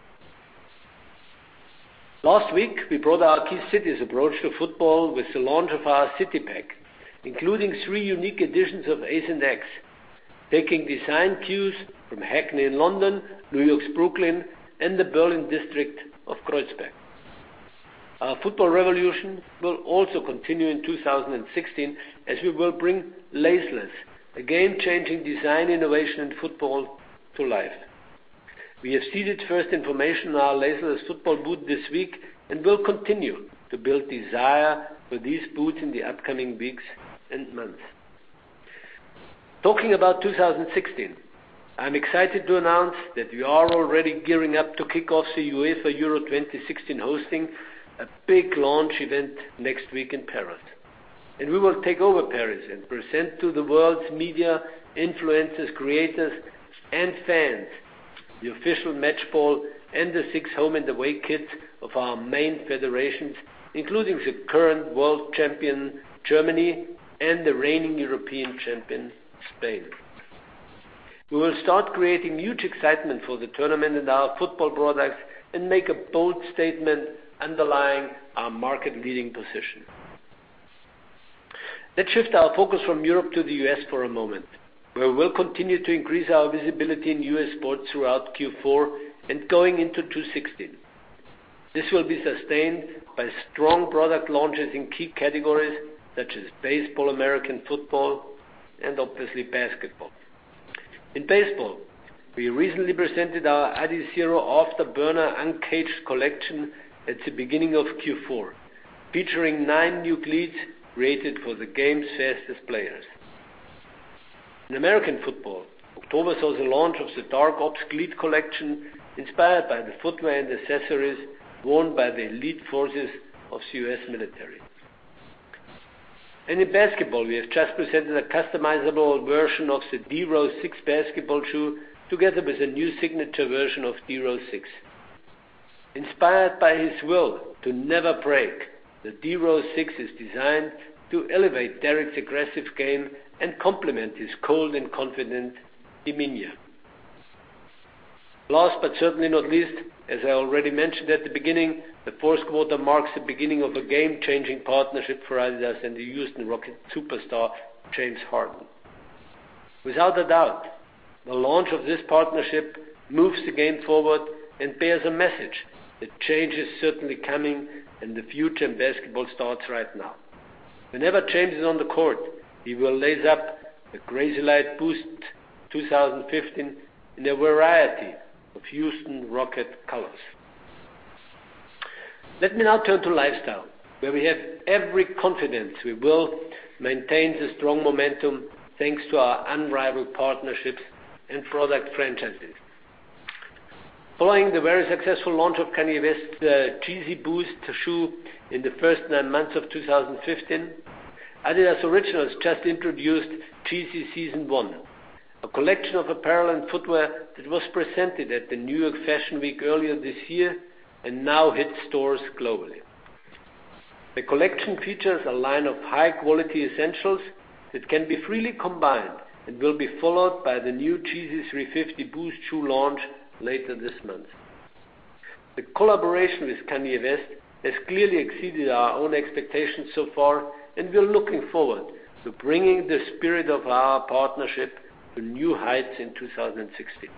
Last week, we brought our key cities approach to football with the launch of our City Pack, including three unique editions of Ace and X, taking design cues from Hackney in London, New York's Brooklyn, and the Berlin district of Kreuzberg. Our football revolution will also continue in 2016, as we will bring Laceless, a game-changing design innovation in football, to life. We have seeded first information on our Laceless football boot this week and will continue to build desire for these boots in the upcoming weeks and months. Talking about 2016, I'm excited to announce that we are already gearing up to kick off the UEFA Euro 2016, hosting a big launch event next week in Paris. We will take over Paris and present to the world's media, influencers, creators, and fans, the official match ball and the six home and away kits of our main federations, including the current world champion, Germany, and the reigning European champion, Spain. We will start creating huge excitement for the tournament and our football products and make a bold statement underlying our market-leading position. Let's shift our focus from Europe to the U.S. for a moment, where we'll continue to increase our visibility in U.S. sports throughout Q4 and going into 2016. This will be sustained by strong product launches in key categories such as baseball, American football, and obviously basketball. In baseball, we recently presented our Adizero Afterburner Uncaged collection at the beginning of Q4, featuring nine new cleats created for the game's fastest players. In American football, October saw the launch of the Dark Ops cleat collection, inspired by the footwear and accessories worn by the elite forces of the U.S. military. In basketball, we have just presented a customizable version of the D Rose 6 basketball shoe together with a new signature version of D Rose 6. Inspired by his will to never break, the D Rose 6 is designed to elevate Derrick's aggressive game and complement his cold and confident demeanor. Last, but certainly not least, as I already mentioned at the beginning, the fourth quarter marks the beginning of a game-changing partnership for adidas and the Houston Rockets superstar, James Harden. Without a doubt, the launch of this partnership moves the game forward and bears a message that change is certainly coming, and the future of basketball starts right now. Whenever James is on the court, he will lace up the Crazylight Boost 2015 in a variety of Houston Rockets colors. Let me now turn to lifestyle, where we have every confidence we will maintain the strong momentum, thanks to our unrivaled partnerships and product franchises. Following the very successful launch of Kanye West's Yeezy Boost shoe in the first nine months of 2015, adidas Originals just introduced YEEZY Season 1, a collection of apparel and footwear that was presented at the New York Fashion Week earlier this year and now hits stores globally. The collection features a line of high-quality essentials that can be freely combined and will be followed by the new Yeezy Boost 350 shoe launch later this month. The collaboration with Kanye West has clearly exceeded our own expectations so far, and we're looking forward to bringing the spirit of our partnership to new heights in 2016.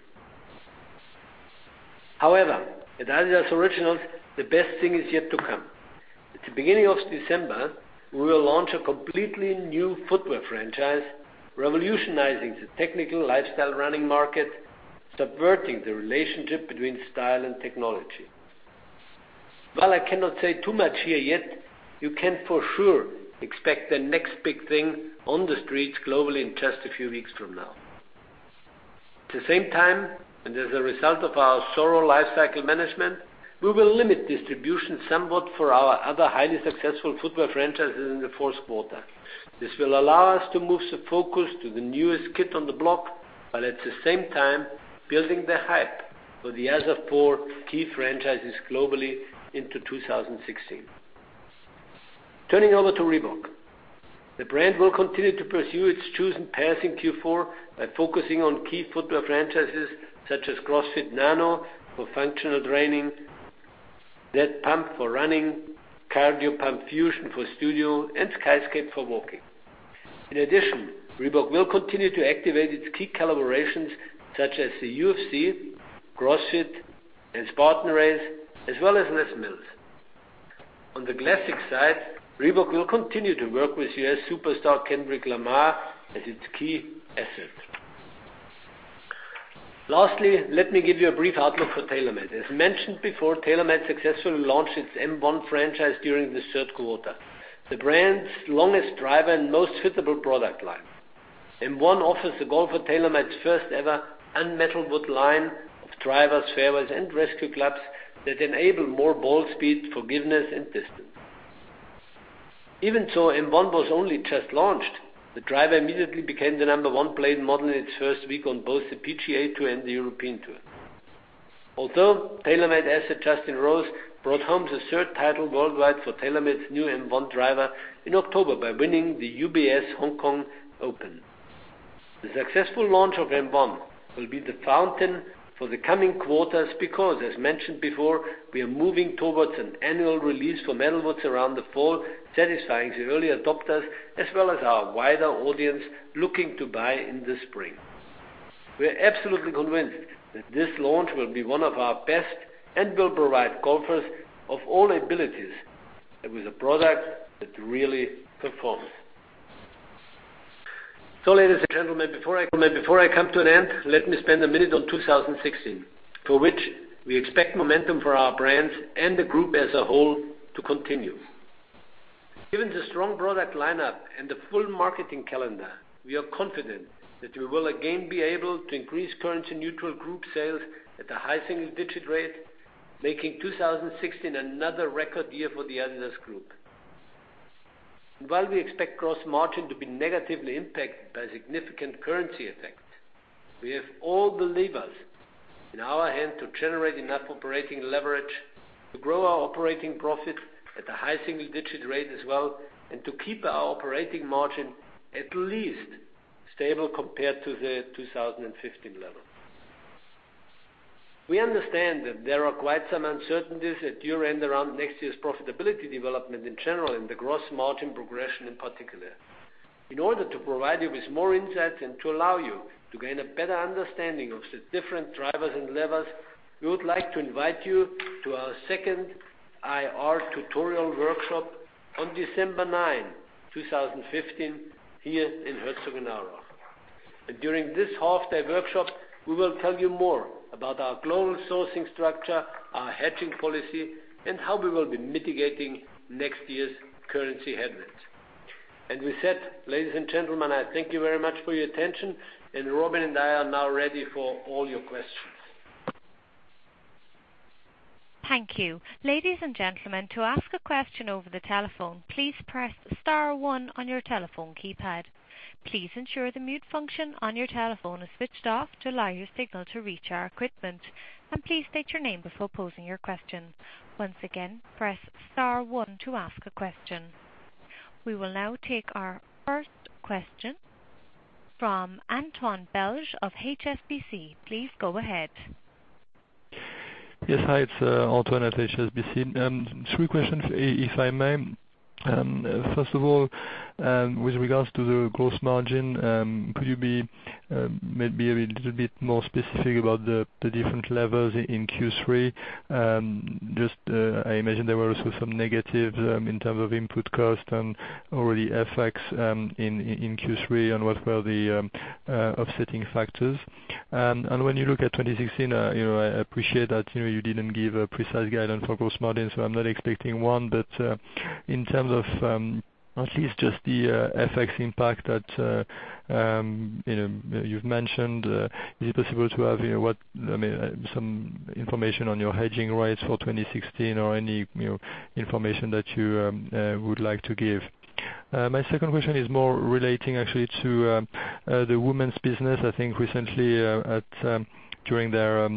At adidas Originals, the best thing is yet to come. At the beginning of December, we will launch a completely new footwear franchise, revolutionizing the technical lifestyle running market, subverting the relationship between style and technology. While I cannot say too much here yet, you can for sure expect the next big thing on the streets globally in just a few weeks from now. At the same time, as a result of our thorough lifecycle management, we will limit distribution somewhat for our other highly successful footwear franchises in the fourth quarter. This will allow us to move the focus to the newest kid on the block, while at the same time building the hype for the other four key franchises globally into 2016. Turning over to Reebok. The brand will continue to pursue its chosen path in Q4 by focusing on key footwear franchises such as CrossFit Nano for functional training, ZPump Fusion for running, Cardio Pump Fusion for studio, and Skyscape for walking. In addition, Reebok will continue to activate its key collaborations such as the UFC, CrossFit, and Spartan Race, as well as Les Mills. On the classic side, Reebok will continue to work with U.S. superstar Kendrick Lamar as its key asset. Lastly, let me give you a brief outlook for TaylorMade. As mentioned before, TaylorMade successfully launched its M1 franchise during the third quarter. The brand's longest driver and most suitable product line. M1 offers the golfer TaylorMade's first-ever un-metalwood line of drivers, fairways, and rescue clubs that enable more ball speed, forgiveness, and distance. Even though M1 was only just launched, the driver immediately became the number one played model in its first week on both the PGA Tour and the European Tour. TaylorMade asset, Justin Rose, brought home the third title worldwide for TaylorMade's new M1 driver in October by winning the UBS Hong Kong Open. The successful launch of M1 will be the fountain for the coming quarters because, as mentioned before, we are moving towards an annual release for metalwoods around the fall, satisfying the early adopters, as well as our wider audience looking to buy in the spring. We are absolutely convinced that this launch will be one of our best and will provide golfers of all abilities with a product that really performs. Ladies and gentlemen, before I come to an end, let me spend a minute on 2016, for which we expect momentum for our brands and the group as a whole to continue. Given the strong product lineup and the full marketing calendar, we are confident that we will again be able to increase currency-neutral group sales at a high single-digit rate, making 2016 another record year for the adidas Group. While we expect gross margin to be negatively impacted by significant currency effects, we have all the levers in our hand to generate enough operating leverage to grow our operating profit at a high single-digit rate as well and to keep our operating margin at least stable compared to the 2015 level. We understand that there are quite some uncertainties at year-end around next year's profitability development in general and the gross margin progression in particular. In order to provide you with more insight and to allow you to gain a better understanding of the different drivers and levers, we would like to invite you to our second IR tutorial workshop on December 9, 2015, here in Herzogenaurach. During this half-day workshop, we will tell you more about our global sourcing structure, our hedging policy, and how we will be mitigating next year's currency headwinds. With that, ladies and gentlemen, I thank you very much for your attention, and Robin and I are now ready for all your questions. Thank you. Ladies and gentlemen, to ask a question over the telephone, please press star one on your telephone keypad. Please ensure the mute function on your telephone is switched off to allow your signal to reach our equipment. Please state your name before posing your question. Once again, press star one to ask a question. We will now take our first question from Antoine Belge of HSBC. Please go ahead. Yes. Hi, it's Antoine at HSBC. Three questions, if I may. First of all, with regards to the gross margin, could you be maybe a little bit more specific about the different levels in Q3? I imagine there were also some negatives in terms of input cost and already FX in Q3, what were the offsetting factors? When you look at 2016, I appreciate that you didn't give a precise guidance for gross margin, so I'm not expecting one. In terms of at least just the FX impact that you've mentioned, is it possible to have some information on your hedging rates for 2016 or any information that you would like to give? My second question is more relating actually to the women's business. I think recently during their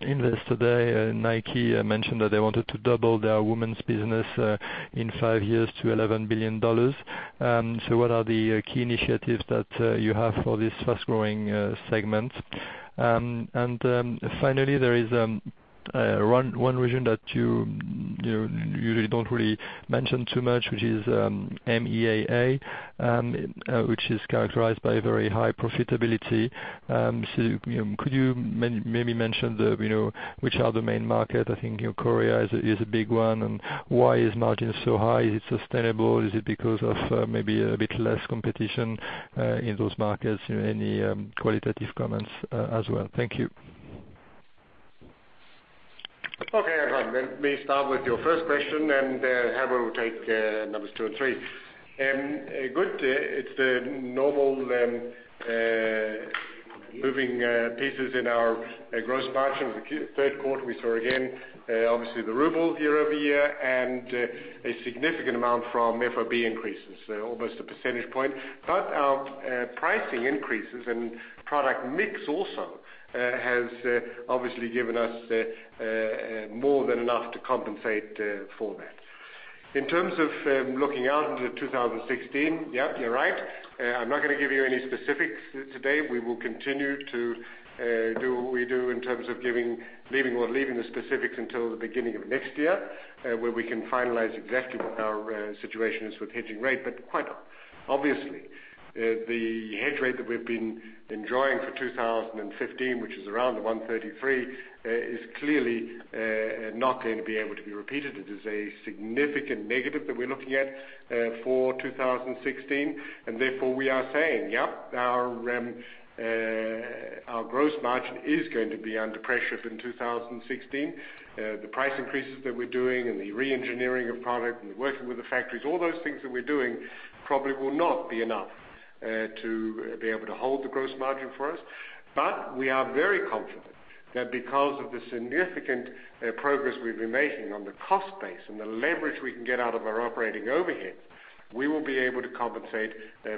Investor Day, Nike mentioned that they wanted to double their women's business in five years to $11 billion. What are the key initiatives that you have for this fast-growing segment? Finally, there is one region that you really don't mention too much, which is MEAA, which is characterized by very high profitability. Could you maybe mention which are the main market? I think Korea is a big one. Why is margin so high? Is it sustainable? Is it because of maybe a bit less competition in those markets? Any qualitative comments as well? Thank you. Okay, Antoine. Let me start with your first question, Herbert will take numbers two and three. Good. It's the normal moving pieces in our gross margin. Q3 we saw again obviously the ruble year-over-year, and a significant amount from FOB increases, almost a percentage point. Our pricing increases and product mix also has obviously given us more than enough to compensate for that. In terms of looking out into 2016, yeah, you're right. I'm not going to give you any specifics today. We will continue to do what we do in terms of leaving the specifics until the beginning of next year, where we can finalize exactly what our situation is with hedging rate. Quite obviously, the hedge rate that we've been enjoying for 2015, which is around the 133, is clearly not going to be able to be repeated. It is a significant negative that we're looking at for 2016. Therefore, we are saying, yep, our gross margin is going to be under pressure in 2016. The price increases that we're doing and the re-engineering of product and the working with the factories, all those things that we're doing probably will not be enough to be able to hold the gross margin for us. We are very confident that because of the significant progress we've been making on the cost base and the leverage we can get out of our operating overhead, we will be able to compensate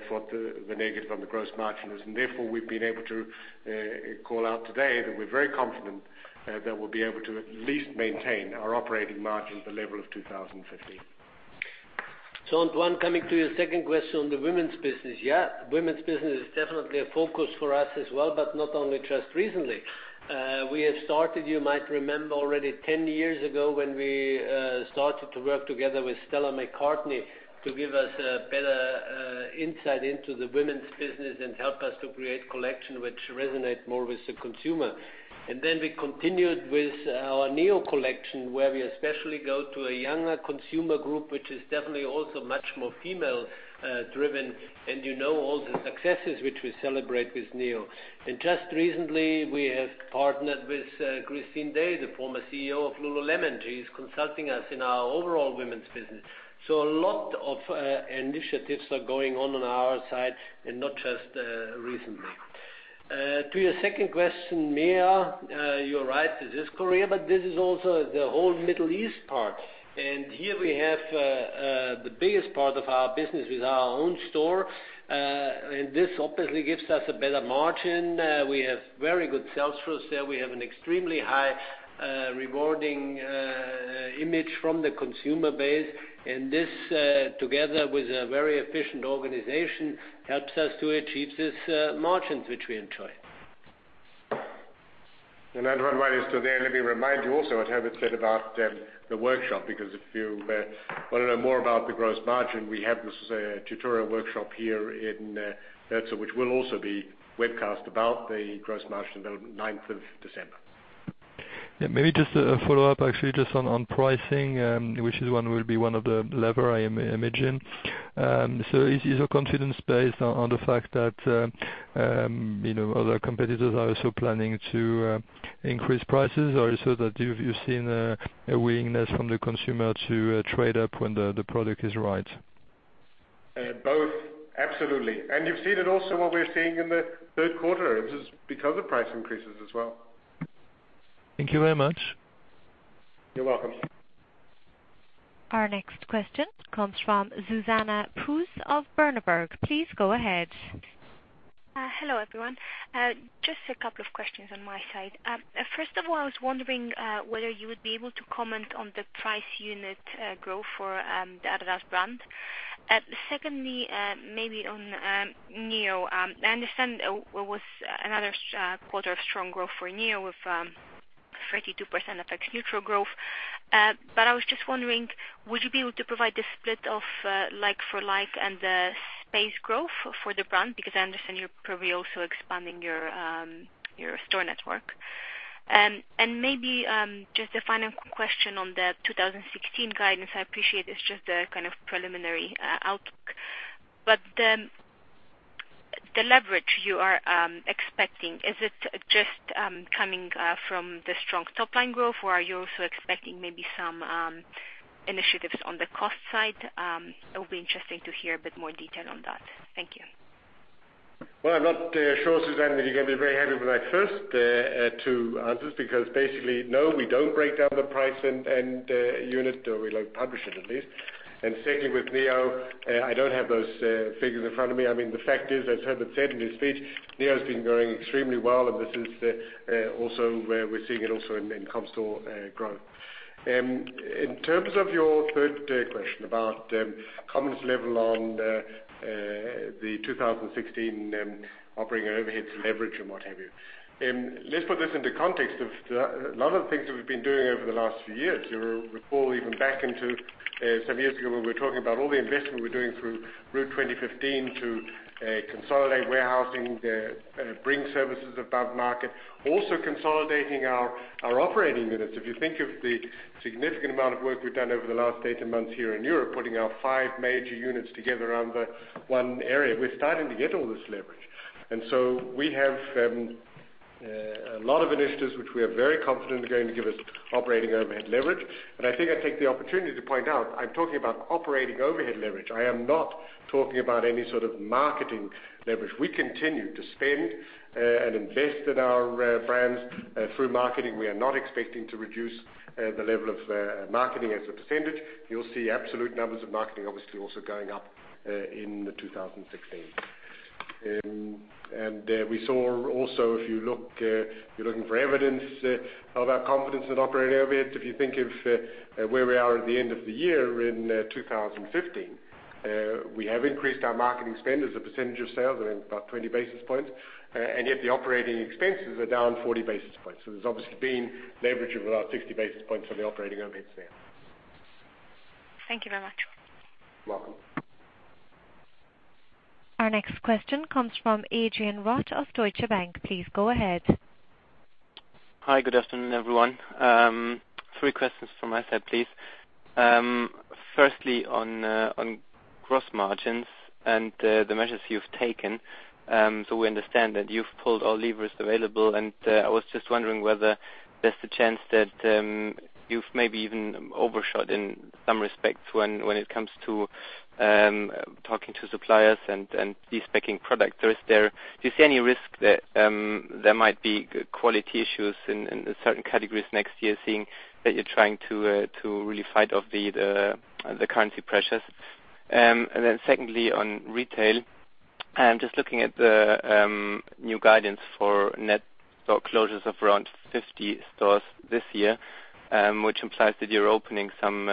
for the negative on the gross margin. Therefore, we've been able to call out today that we're very confident that we'll be able to at least maintain our operating margin at the level of 2015. Antoine, coming to your second question on the women's business. Women's business is definitely a focus for us as well, but not only just recently. We have started, you might remember already 10 years ago, when we started to work together with Stella McCartney to give us a better insight into the women's business and help us to create collection which resonate more with the consumer. We continued with our adidas Neo collection, where we especially go to a younger consumer group, which is definitely also much more female driven. You know all the successes which we celebrate with adidas Neo. Just recently, we have partnered with Christine Day, the former CEO of Lululemon. She is consulting us in our overall women's business. A lot of initiatives are going on on our side, and not just recently. To your second question, MEAA, you're right, this is Korea, but this is also the whole Middle East part. Here we have the biggest part of our business with our own store. This obviously gives us a better margin. We have very good sell-throughs there. We have an extremely high rewarding image from the consumer base. This, together with a very efficient organization, helps us to achieve these margins which we enjoy. Antoine, while he's still there, let me remind you also what Herbert said about the workshop, because if you want to know more about the gross margin, we have this tutorial workshop here in Herzo, which will also be webcast about the gross margin development 9th of December. Maybe just a follow-up, actually, just on pricing, which will be one of the lever I imagine. Is your confidence based on the fact that other competitors are also planning to increase prices? Is it that you've seen a willingness from the consumer to trade up when the product is right? Both. Absolutely. You've seen it also what we're seeing in the third quarter. This is because of price increases as well. Thank you very much. You're welcome. Our next question comes from Zuzanna Pusz of Berenberg. Please go ahead. Hello, everyone. Just a couple of questions on my side. First of all, I was wondering whether you would be able to comment on the price unit growth for the adidas brand. Secondly, maybe on Neo. I understand it was another quarter of strong growth for Neo with 32% FX-neutral growth. I was just wondering, would you be able to provide the split of like for like and the space growth for the brand? I understand you're probably also expanding your store network. Maybe just a final question on the 2016 guidance. I appreciate it's just a kind of preliminary outlook. The leverage you are expecting, is it just coming from the strong top-line growth, or are you also expecting maybe some initiatives on the cost side? It will be interesting to hear a bit more detail on that. Thank you. Well, I'm not sure, Zuzanna, that you're going to be very happy with my first two answers. No, we don't break down the price and unit, or we publish it at least. Secondly, with Neo, I don't have those figures in front of me. The fact is, as Herbert said in his speech, Neo's been growing extremely well, and this is also where we're seeing it also in comp store growth. In terms of your third question about confidence level on the 2016 operating overheads leverage and what have you. Let's put this into context of a lot of the things that we've been doing over the last few years. You recall even back into some years ago, when we were talking about all the investment we're doing through Route 2015 to consolidate warehousing, bring services above market, also consolidating our operating units. If you think of the significant amount of work we've done over the last 18 months here in Europe, putting our five major units together under one area, we're starting to get all this leverage. We have a lot of initiatives which we are very confident are going to give us operating overhead leverage. I think I take the opportunity to point out, I'm talking about operating overhead leverage. I am not talking about any sort of marketing leverage. We continue to spend and invest in our brands through marketing. We are not expecting to reduce the level of marketing as a percentage. You'll see absolute numbers of marketing, obviously, also going up in 2016. We saw also, if you're looking for evidence of our confidence in operating overheads, if you think of where we are at the end of the year in 2015, we have increased our marketing spend as a percentage of sales by 20 basis points, and yet the operating expenses are down 40 basis points. There's obviously been leverage of about 60 basis points on the operating overheads there. Thank you very much. Welcome. Our next question comes from Adrian Rott of Deutsche Bank. Please go ahead. Hi, good afternoon, everyone. Three questions from my side, please. Firstly, on gross margins and the measures you've taken, we understand that you've pulled all levers available, and I was just wondering whether there's the chance that you've maybe even overshot in some respects when it comes to talking to suppliers and despec-ing product. Do you see any risk that there might be quality issues in certain categories next year, seeing that you're trying to really fight off the currency pressures? Then secondly, on retail, just looking at the new guidance for net store closures of around 50 stores this year, which implies that you're opening some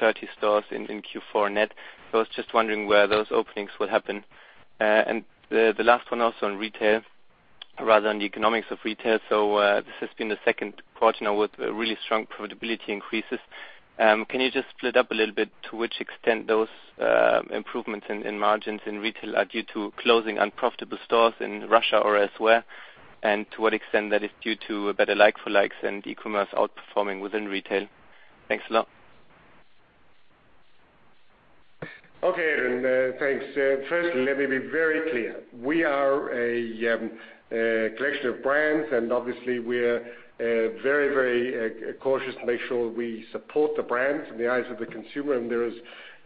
30 stores in Q4 net. I was just wondering where those openings will happen. The last one also on retail, rather on the economics of retail. This has been the second quarter now with really strong profitability increases. Can you just split up a little bit to which extent those improvements in margins in retail are due to closing unprofitable stores in Russia or elsewhere and to what extent that is due to better like for likes and e-commerce outperforming within retail? Thanks a lot. Adrian, thanks. Firstly, let me be very clear. We are a collection of brands, and obviously we're very cautious to make sure we support the brands in the eyes of the consumer, and there is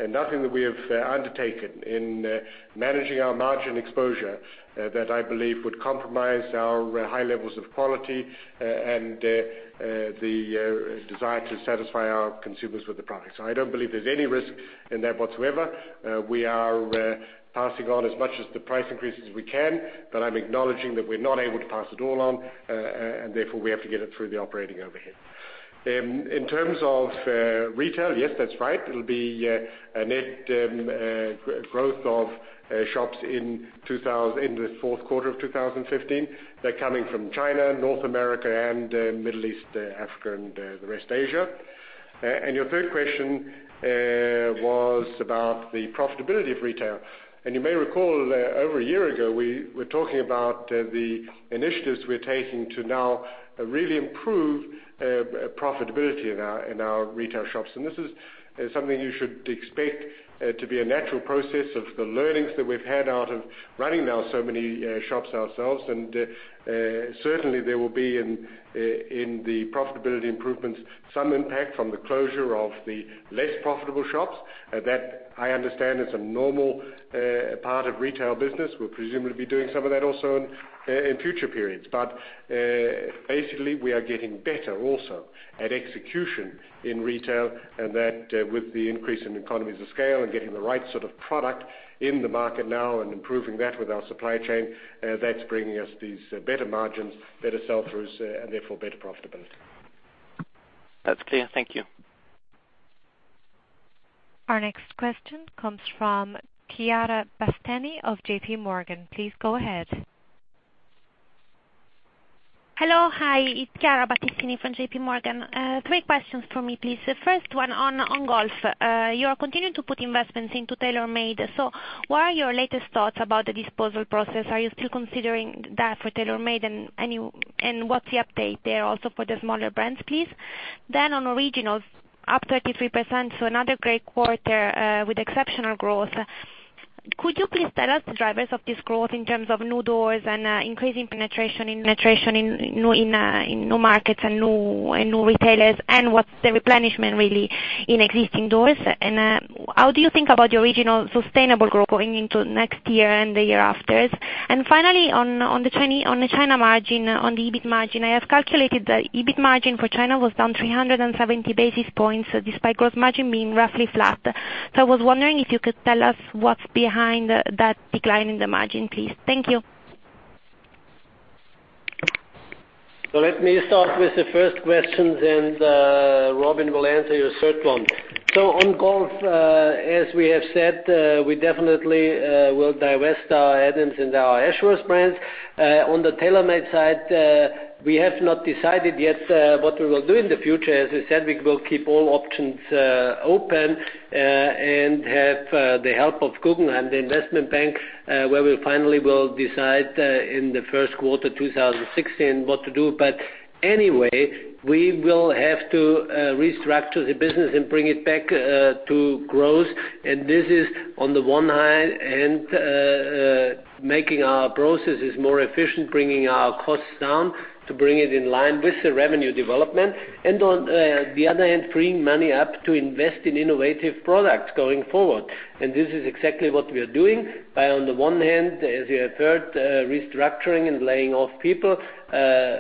nothing that we have undertaken in managing our margin exposure that I believe would compromise our high levels of quality and the desire to satisfy our consumers with the products. I don't believe there's any risk in that whatsoever. We are passing on as much as the price increases we can, but I'm acknowledging that we're not able to pass it all on, and therefore we have to get it through the operating overhead. In terms of retail, yes, that's right. It'll be a net growth of shops in the fourth quarter of 2015. They're coming from China, North America, and Middle East, Africa, and the rest of Asia. Your third question was about the profitability of retail. You may recall, over a year ago, we were talking about the initiatives we're taking to now really improve profitability in our retail shops. This is something you should expect to be a natural process of the learnings that we've had out of running now so many shops ourselves. Certainly there will be, in the profitability improvements, some impact from the closure of the less profitable shops. That, I understand, is a normal part of retail business. We'll presumably be doing some of that also in future periods. Basically, we are getting better also at execution in retail, and that with the increase in economies of scale and getting the right sort of product in the market now and improving that with our supply chain, that's bringing us these better margins, better sell-throughs, and therefore better profitability. That's clear. Thank you. Our next question comes from Chiara Battistini of JPMorgan. Please go ahead. Hello. Hi, it's Chiara Battistini from JPMorgan. Three questions for me, please. The first one on golf. You are continuing to put investments into TaylorMade. What are your latest thoughts about the disposal process? Are you still considering that for TaylorMade, what's the update there also for the smaller brands, please? On Originals, up 33%. Another great quarter with exceptional growth. Could you please tell us the drivers of this growth in terms of new doors and increasing penetration in new markets and new retailers? What's the replenishment really in existing doors? How do you think about the Originals sustainable growth going into next year and the year after? On the China margin, on the EBIT margin, I have calculated the EBIT margin for China was down 370 basis points, despite gross margin being roughly flat. I was wondering if you could tell us what's behind that decline in the margin, please. Thank you. Let me start with the first question, Robin will answer your third one. On golf, as we have said, we definitely will divest our Adams and our Ashworth brands. On the TaylorMade side, we have not decided yet what we will do in the future. As I said, we will keep all options open, and have the help of Guggenheim, the investment bank, where we finally will decide in the first quarter 2016 what to do. Anyway, we will have to restructure the business and bring it back to growth. This is on the one hand, and making our processes more efficient, bringing our costs down to bring it in line with the revenue development. On the other hand, freeing money up to invest in innovative products going forward. This is exactly what we are doing. By on the one hand, as you have heard, restructuring and laying off people,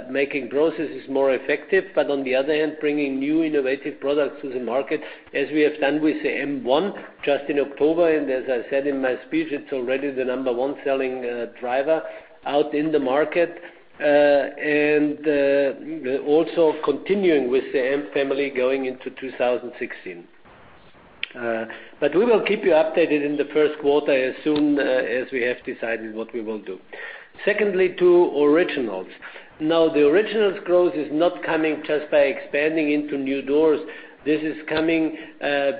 making processes more effective. On the other hand, bringing new innovative products to the market, as we have done with the M1 just in October. As I said in my speech, it's already the number 1 selling driver out in the market. Also continuing with the M family going into 2016. We will keep you updated in the first quarter as soon as we have decided what we will do. Secondly, to Originals. The Originals growth is not coming just by expanding into new doors. This is coming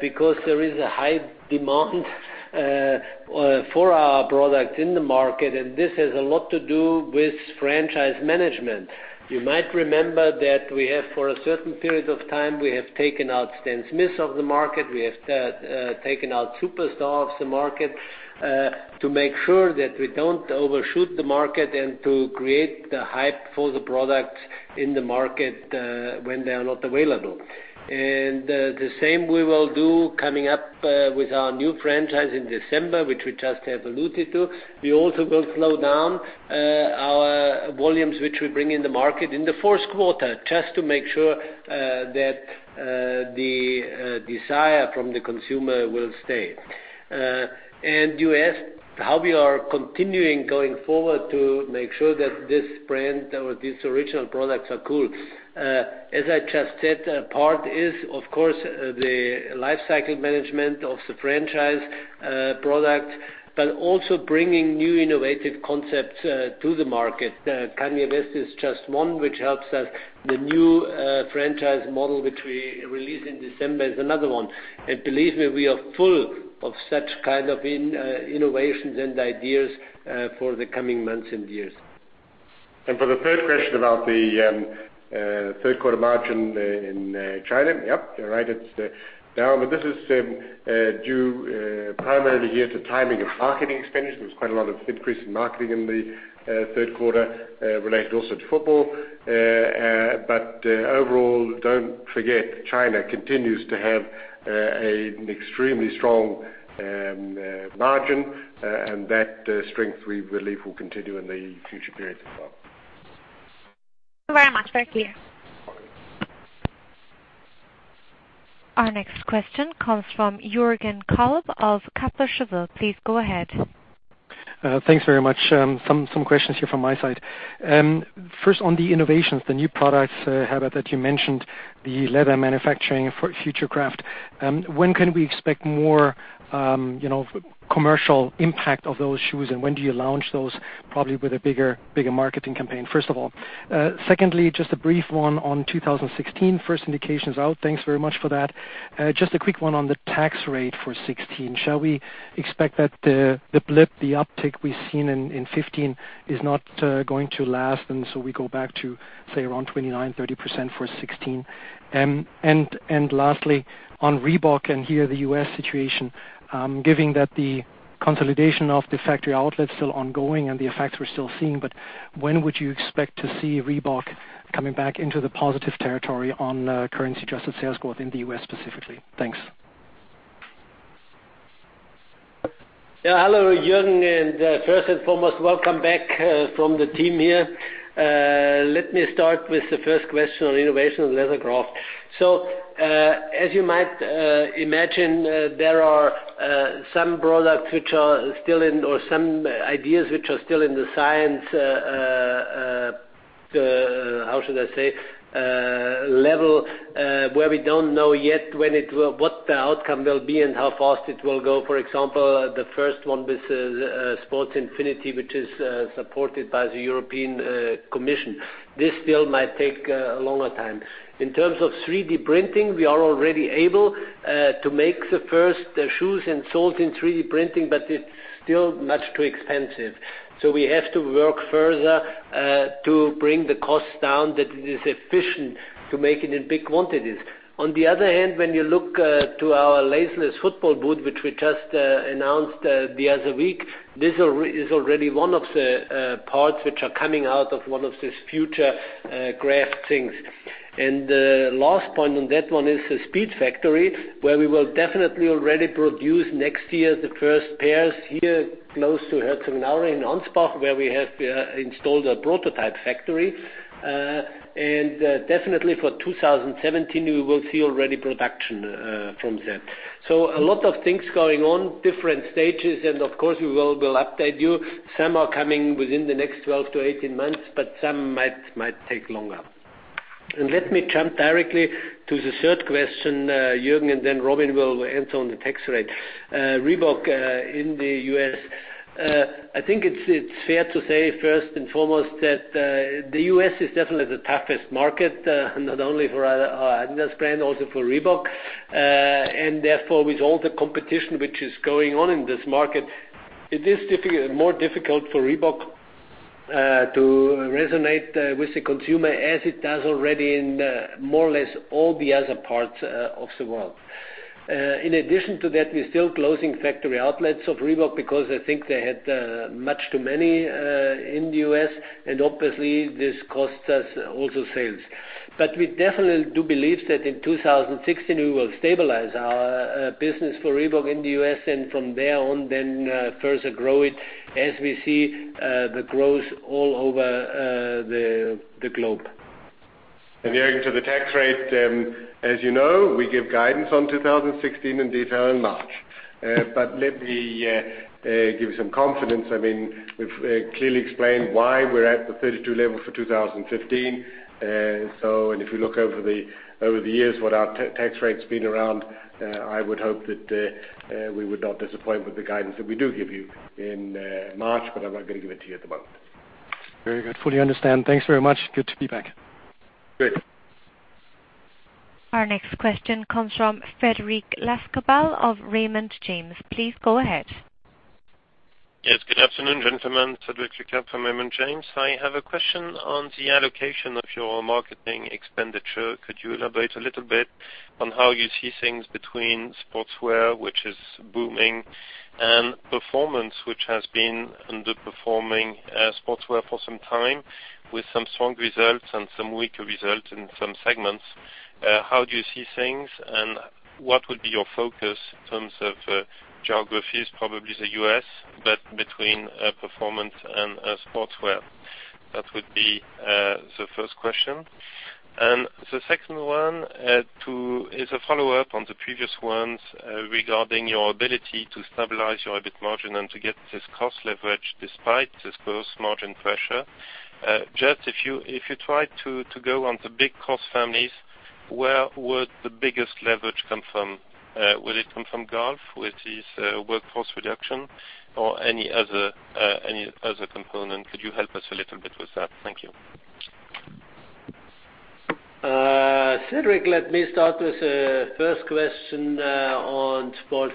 because there is a high demand for our product in the market, and this has a lot to do with franchise management. You might remember that we have, for a certain period of time, we have taken out Stan Smith of the market. We have taken out Superstar of the market, to make sure that we don't overshoot the market and to create the hype for the product in the market, when they are not available. The same we will do coming up with our new franchise in December, which we just have alluded to. We also will slow down our volumes, which we bring in the market in the fourth quarter, just to make sure that the desire from the consumer will stay. You asked how we are continuing going forward to make sure that this brand or these Originals products are cool. As I just said, part is, of course, the life cycle management of the franchise product. Also bringing new innovative concepts to the market. Kanye West is just one which helps us. The new franchise model which we release in December is another one. Believe me, we are full of such kind of innovations and ideas for the coming months and years. For the third question about the third quarter margin in China. Yep, you're right. It's down. This is due primarily here to timing of marketing expenditures. Quite a lot of increase in marketing in the third quarter, related also to football. Overall, don't forget, China continues to have an extremely strong margin. That strength, we believe, will continue in the future periods as well. Thank you very much. Thank you. All right. Our next question comes from Jürgen Kolb of Kepler Cheuvreux. Please go ahead. Thanks very much. Some questions here from my side. First, on the innovations, the new products, Herbert, that you mentioned, the leather manufacturing for Futurecraft. When can we expect more commercial impact of those shoes, and when do you launch those? Probably with a bigger marketing campaign, first of all. Secondly, just a brief one on 2016. First indications out. Thanks very much for that. Just a quick one on the tax rate for 2016. Shall we expect that the blip, the uptick we've seen in 2015 is not going to last, and so we go back to, say, around 29%, 30% for 2016? Lastly, on Reebok and here the U.S. situation. Given that the consolidation of the factory outlet is still ongoing and the effects we're still seeing, when would you expect to see Reebok coming back into the positive territory on currency-adjusted sales growth in the U.S. specifically? Thanks. Yeah. Hello, Jürgen, first and foremost, welcome back from the team here. Let me start with the first question on innovation and Futurecraft Leather. As you might imagine, there are some products which are still in, or some ideas which are still in the science How should I say? Level where we don't know yet what the outcome will be and how fast it will go. For example, the first one with Sport Infinity, which is supported by the European Commission. This still might take a longer time. In terms of 3D printing, we are already able to make the first shoes and soles in 3D printing, it's still much too expensive. We have to work further to bring the cost down that it is efficient to make it in big quantities. On the other hand, when you look to our laceless football boot, which we just announced the other week. This is already one of the parts which are coming out of one of these Futurecrafts. The last point on that one is the Speedfactory, where we will definitely already produce next year the first pairs here close to Herzogenaurach in Ansbach where we have installed a prototype factory. Definitely for 2017, we will see already production from that. A lot of things going on, different stages, and of course, we will update you. Some are coming within the next 12 to 18 months, some might take longer. Let me jump directly to the third question, Jürgen, then Robin will answer on the tax rate. Reebok in the U.S. I think it's fair to say, first and foremost, that the U.S. is definitely the toughest market, not only for our adidas brand, also for Reebok. Therefore, with all the competition which is going on in this market, it is more difficult for Reebok to resonate with the consumer as it does already in more or less all the other parts of the world. In addition to that, we're still closing factory outlets of Reebok because I think they had much too many in the U.S., obviously, this costs us also sales. We definitely do believe that in 2016, we will stabilize our business for Reebok in the U.S. and from there on then further grow it as we see the growth all over the globe. Jürgen, to the tax rate. As you know, we give guidance on 2016 in detail in March. Let me give you some confidence. We've clearly explained why we're at the 32 level for 2015. If you look over the years what our tax rate's been around, I would hope that we would not disappoint with the guidance that we do give you in March, but I'm not going to give it to you at the moment. Very good, fully understand. Thanks very much. Good to be back. Great. Our next question comes from Frederic Lascobas of Raymond James. Please go ahead. Good afternoon, gentlemen. Frederic Lascobas from Raymond James. I have a question on the allocation of your marketing expenditure. Could you elaborate a little bit on how you see things between sportswear, which is booming, and performance, which has been underperforming sportswear for some time, with some strong results and some weaker results in some segments. How do you see things, and what would be your focus in terms of geographies, probably the U.S., but between performance and sportswear? That would be the first question. The second one is a follow-up on the previous ones regarding your ability to stabilize your EBIT margin and to get this cost leverage despite this gross margin pressure. Just if you try to go on the big cost families, where would the biggest leverage come from? Will it come from golf with this workforce reduction or any other component? Could you help us a little bit with that? Thank you. Frederic, let me start with the first question on sports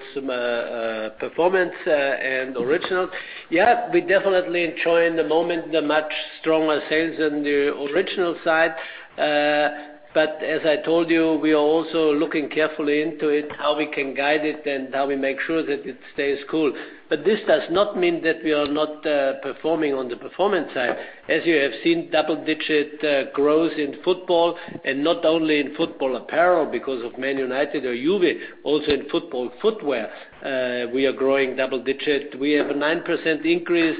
performance and Originals. We definitely enjoy in the moment the much stronger sales on the Original side. As I told you, we are also looking carefully into it, how we can guide it, and how we make sure that it stays cool. This does not mean that we are not performing on the performance side. As you have seen, double-digit growth in football, and not only in football apparel because of Man United or Juve, also in football footwear we are growing double digits. We have a 9% increase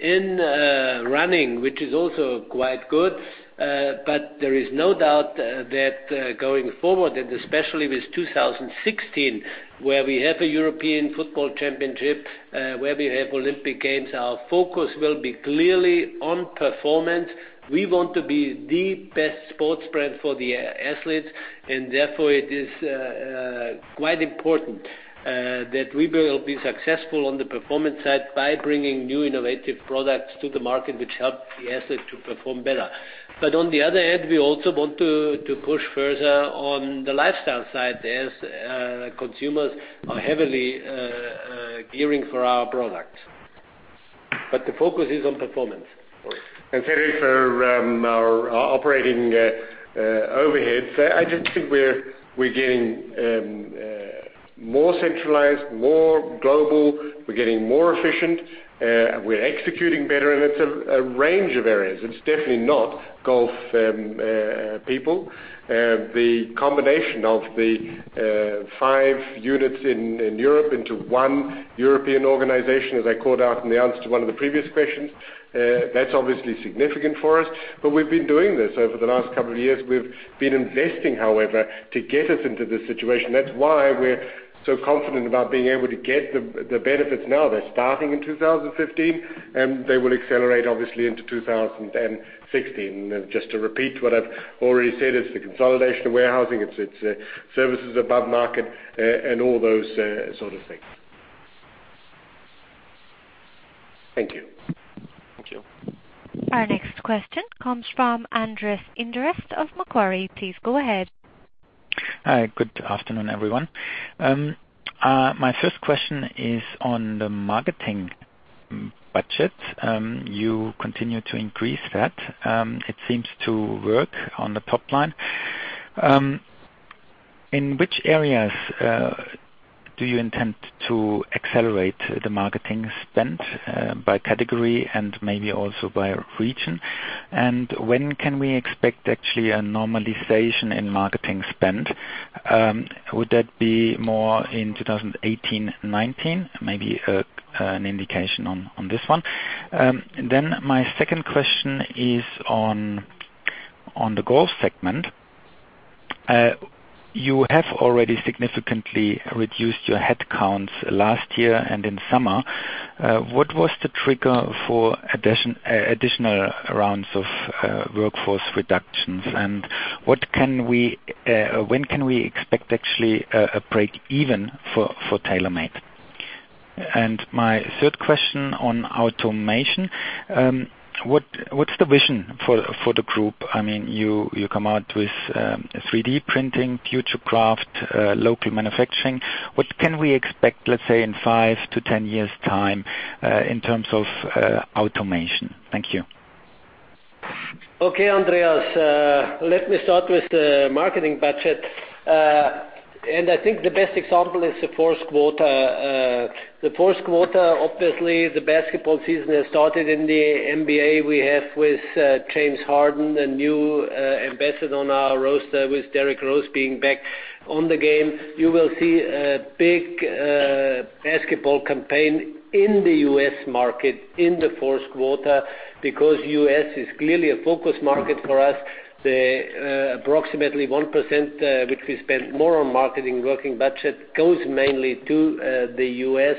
in running, which is also quite good. There is no doubt that going forward, and especially with 2016, where we have a European football championship, where we have Olympic Games, our focus will be clearly on performance. We want to be the best sports brand for the athletes, therefore, it is quite important that we will be successful on the performance side by bringing new innovative products to the market, which help the athlete to perform better. On the other hand, we also want to push further on the lifestyle side. There's consumers are heavily gearing for our product. The focus is on performance. Frederic, for our operating overheads. I just think we're getting more centralized, more global, we're getting more efficient, we're executing better, and it's a range of areas. It's definitely not golf people. The combination of the five units in Europe into one European organization, as I called out in the answer to one of the previous questions. That's obviously significant for us, we've been doing this over the last couple of years. We've been investing, however, to get us into this situation. That's why we're so confident about being able to get the benefits now. They're starting in 2015, they will accelerate obviously into 2016. Just to repeat what I've already said, it's the consolidation of warehousing, it's services above market and all those sort of things. Thank you. Thank you. Our next question comes from Andreas Inderst of Macquarie. Please go ahead. Hi, good afternoon, everyone. My first question is on the marketing budget. You continue to increase that. It seems to work on the top line. In which areas do you intend to accelerate the marketing spend, by category and maybe also by region? When can we expect actually a normalization in marketing spend? Would that be more in 2018-2019? Maybe an indication on this one. My second question is on the golf segment. You have already significantly reduced your headcounts last year and in summer. What was the trigger for additional rounds of workforce reductions, and when can we expect actually a break even for TaylorMade? My third question on automation. What's the vision for the group? You come out with 3D printing, Futurecraft, local manufacturing. What can we expect, let's say, in five to 10 years' time, in terms of automation? Thank you. Okay, Andreas. Let me start with the marketing budget. I think the best example is the fourth quarter. The fourth quarter, obviously, the basketball season has started in the NBA. We have with James Harden, a new ambassador on our roster, with Derrick Rose being back on the game. You will see a big basketball campaign in the U.S. market in the fourth quarter because the U.S. is clearly a focus market for us. The approximately 1%, which we spent more on marketing working budget, goes mainly to the U.S.,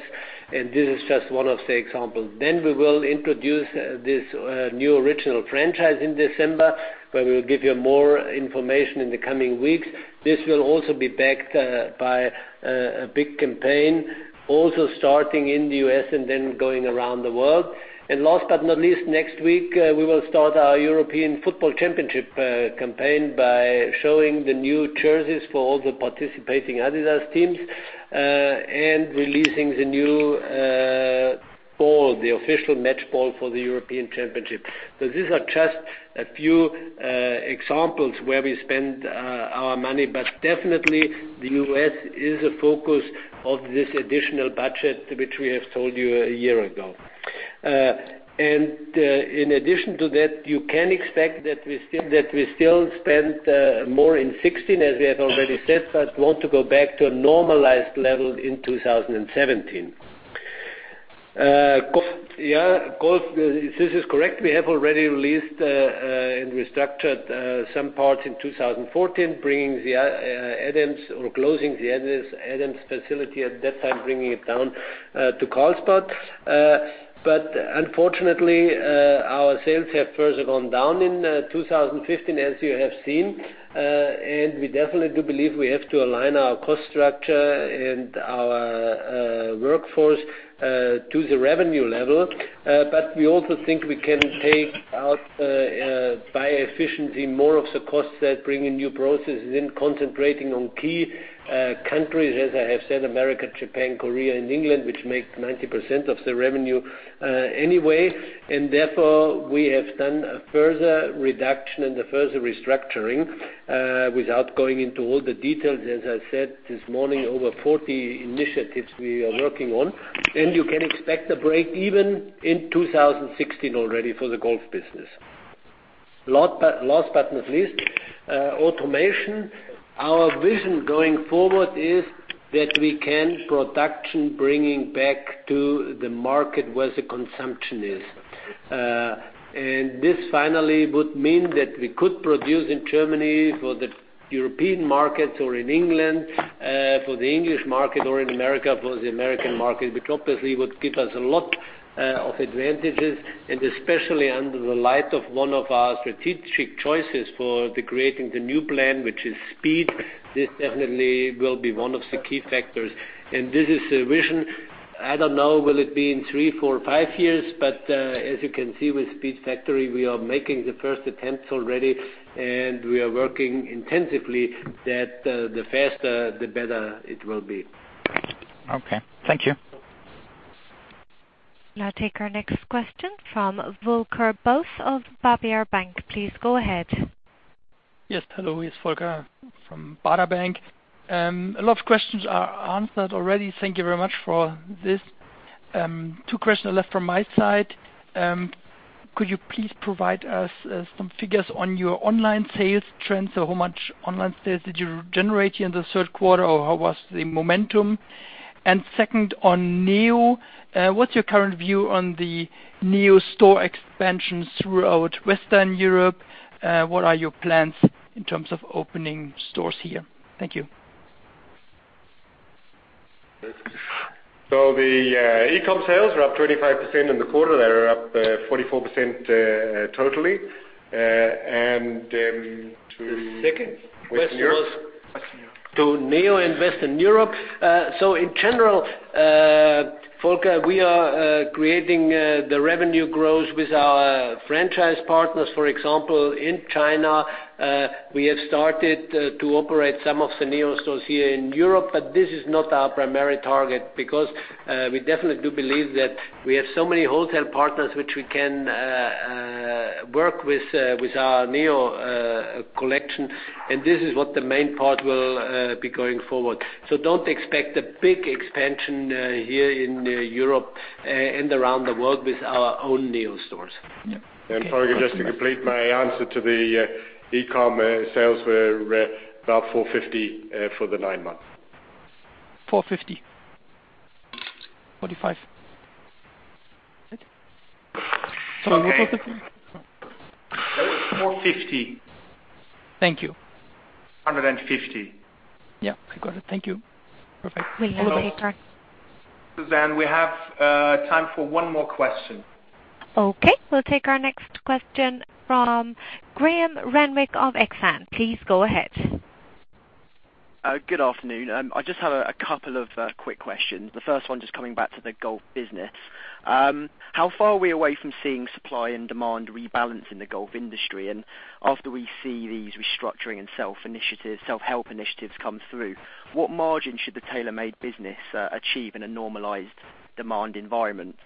this is just one of the examples. We will introduce this new Originals franchise in December, where we will give you more information in the coming weeks. This will also be backed by a big campaign, also starting in the U.S. and then going around the world. Last but not least, next week, we will start our European Football Championship campaign by showing the new jerseys for all the participating adidas teams, and releasing the new ball, the official match ball for the European Championship. These are just a few examples where we spend our money, but definitely the U.S. is a focus of this additional budget, which we have told you a year ago. In addition to that, you can expect that we still spend more in 2016, as we have already said, but want to go back to a normalized level in 2017. Golf, this is correct. We have already released and restructured some parts in 2014, bringing the Adams or closing the Adams facility at that time, bringing it down to Carlsbad. Unfortunately, our sales have further gone down in 2015, as you have seen. We definitely do believe we have to align our cost structure and our workforce to the revenue level. We also think we can take out, by efficiency, more of the costs that bring in new processes in concentrating on key countries, as I have said, America, Japan, Korea and England, which make 90% of the revenue anyway. Therefore, we have done a further reduction and a further restructuring. Without going into all the details, as I said this morning, over 40 initiatives we are working on. You can expect a break even in 2016 already for the golf business. Last but not least, automation. Our vision going forward is that we can production bringing back to the market where the consumption is. This finally would mean that we could produce in Germany for the European market or in England for the English market or in America for the American market, which obviously would give us a lot of advantages. Especially under the light of one of our strategic choices for the Creating the New plan, which is speed, this definitely will be one of the key factors. This is the vision. I don't know, will it be in three, four, five years, but as you can see with Speedfactory, we are making the first attempts already and we are working intensively that the faster, the better it will be. Okay. Thank you. I'll take our next question from Volker Bosse of Baader Bank. Please go ahead. Yes. Hello, it's Volker from Baader Bank. A lot of questions are answered already. Thank you very much for this. Two questions are left from my side. Could you please provide us some figures on your online sales trends? How much online sales did you generate in the third quarter, or how was the momentum? Second, on Neo, what's your current view on the Neo store expansions throughout Western Europe? What are your plans in terms of opening stores here? Thank you. The e-com sales were up 25% in the quarter. They are up 44% totally. The second question was to adidas Neo invest in Europe. In general, Volker, we are creating the revenue growth with our franchise partners. For example, in China, we have started to operate some of the adidas Neo stores here in Europe, but this is not our primary target because we definitely do believe that we have so many retail partners which we can work with our adidas Neo collection, and this is what the main part will be going forward. Don't expect a big expansion here in Europe and around the world with our own adidas Neo stores. Yeah. Volker, just to complete my answer to the e-com sales were about 450 for the nine months. 450. 45. Right? Sorry, what was it? It was 450. Thank you. 150. Yeah, I got it. Thank you. Perfect. We have a card. Suzanne, we have time for one more question. Okay. We'll take our next question from Graham Renwick of Exane. Please go ahead. Good afternoon. I just have a couple of quick questions. The first one, just coming back to the golf business. How far are we away from seeing supply and demand rebalance in the golf industry? After we see these restructuring and self-help initiatives come through, what margin should the TaylorMade business achieve in a normalized demand environment?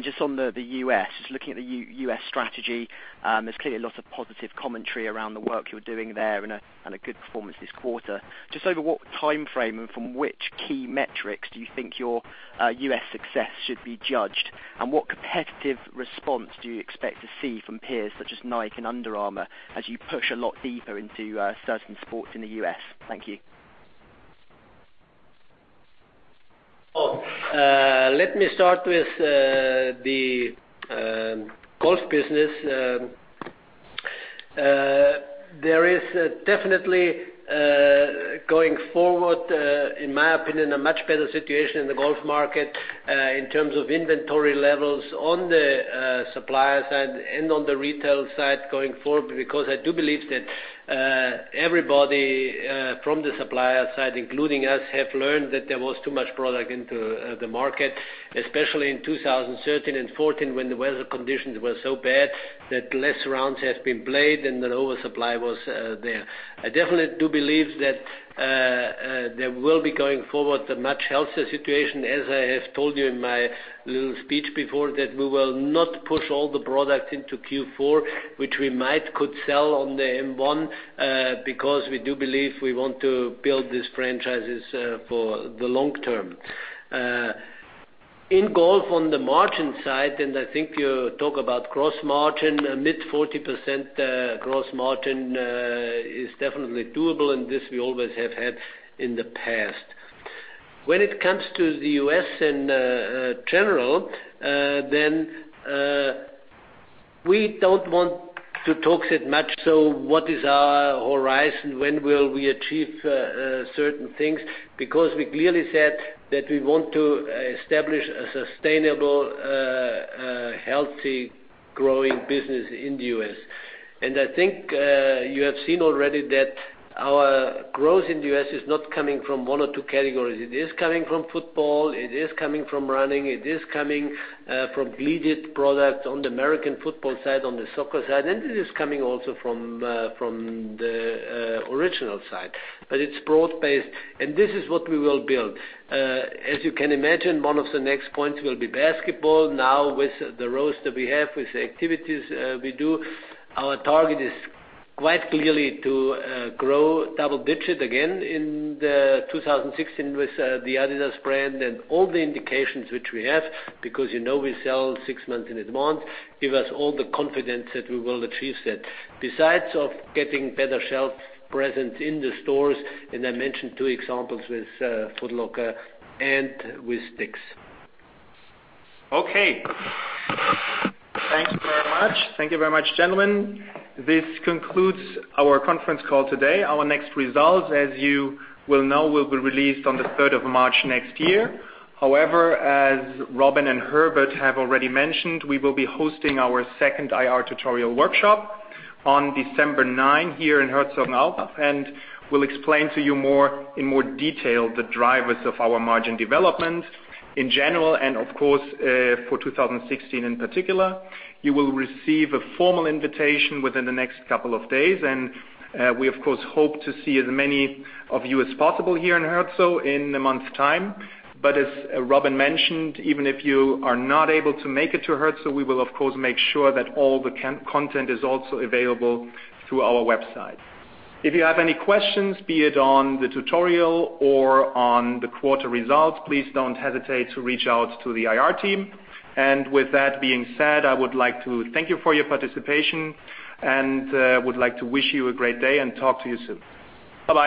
Just on the U.S., just looking at the U.S. strategy, there's clearly a lot of positive commentary around the work you're doing there and a good performance this quarter. Just over what timeframe and from which key metrics do you think your U.S. success should be judged? What competitive response do you expect to see from peers such as Nike and Under Armour as you push a lot deeper into certain sports in the U.S.? Thank you. Let me start with the golf business. There is definitely, going forward, in my opinion, a much better situation in the golf market in terms of inventory levels on the supplier side and on the retail side going forward, because I do believe that everybody from the supplier side, including us, have learned that there was too much product into the market, especially in 2013 and 2014 when the weather conditions were so bad that less rounds has been played and an oversupply was there. I definitely do believe that there will be, going forward, a much healthier situation. As I have told you in my little speech before, that we will not push all the product into Q4, which we might could sell on the M1, because we do believe we want to build these franchises for the long term. In golf on the margin side, I think you talk about gross margin, mid 40% gross margin is definitely doable and this we always have had in the past. When it comes to the U.S. in general, we don't want to talk that much. What is our horizon? When will we achieve certain things? Because we clearly said that we want to establish a sustainable, healthy, growing business in the U.S. I think you have seen already that our growth in the U.S. is not coming from one or two categories. It is coming from football, it is coming from running, it is coming from cleated product on the American football side, on the soccer side, and it is coming also from the original side. It's broad based and this is what we will build. As you can imagine, one of the next points will be basketball. Now with the roads that we have, with the activities we do, our target is quite clearly to grow double-digit again in 2016 with the adidas brand and all the indications which we have, because you know we sell six months in a month, give us all the confidence that we will achieve that. Besides of getting better shelf presence in the stores, I mentioned two examples with Foot Locker and with Dick's. Okay. Thank you very much. Thank you very much, gentlemen. This concludes our conference call today. Our next results, as you will know, will be released on the 3rd of March next year. However, as Robin and Herbert have already mentioned, we will be hosting our second IR tutorial workshop on December 9 here in Herzogenaurach. We'll explain to you in more detail the drivers of our margin development in general and, of course, for 2016 in particular. You will receive a formal invitation within the next couple of days. We, of course, hope to see as many of you as possible here in Herzo in a month's time. As Robin mentioned, even if you are not able to make it to Herzo, we will, of course, make sure that all the content is also available through our website. If you have any questions, be it on the tutorial or on the quarter results, please don't hesitate to reach out to the IR team. With that being said, I would like to thank you for your participation and would like to wish you a great day and talk to you soon. Bye-bye.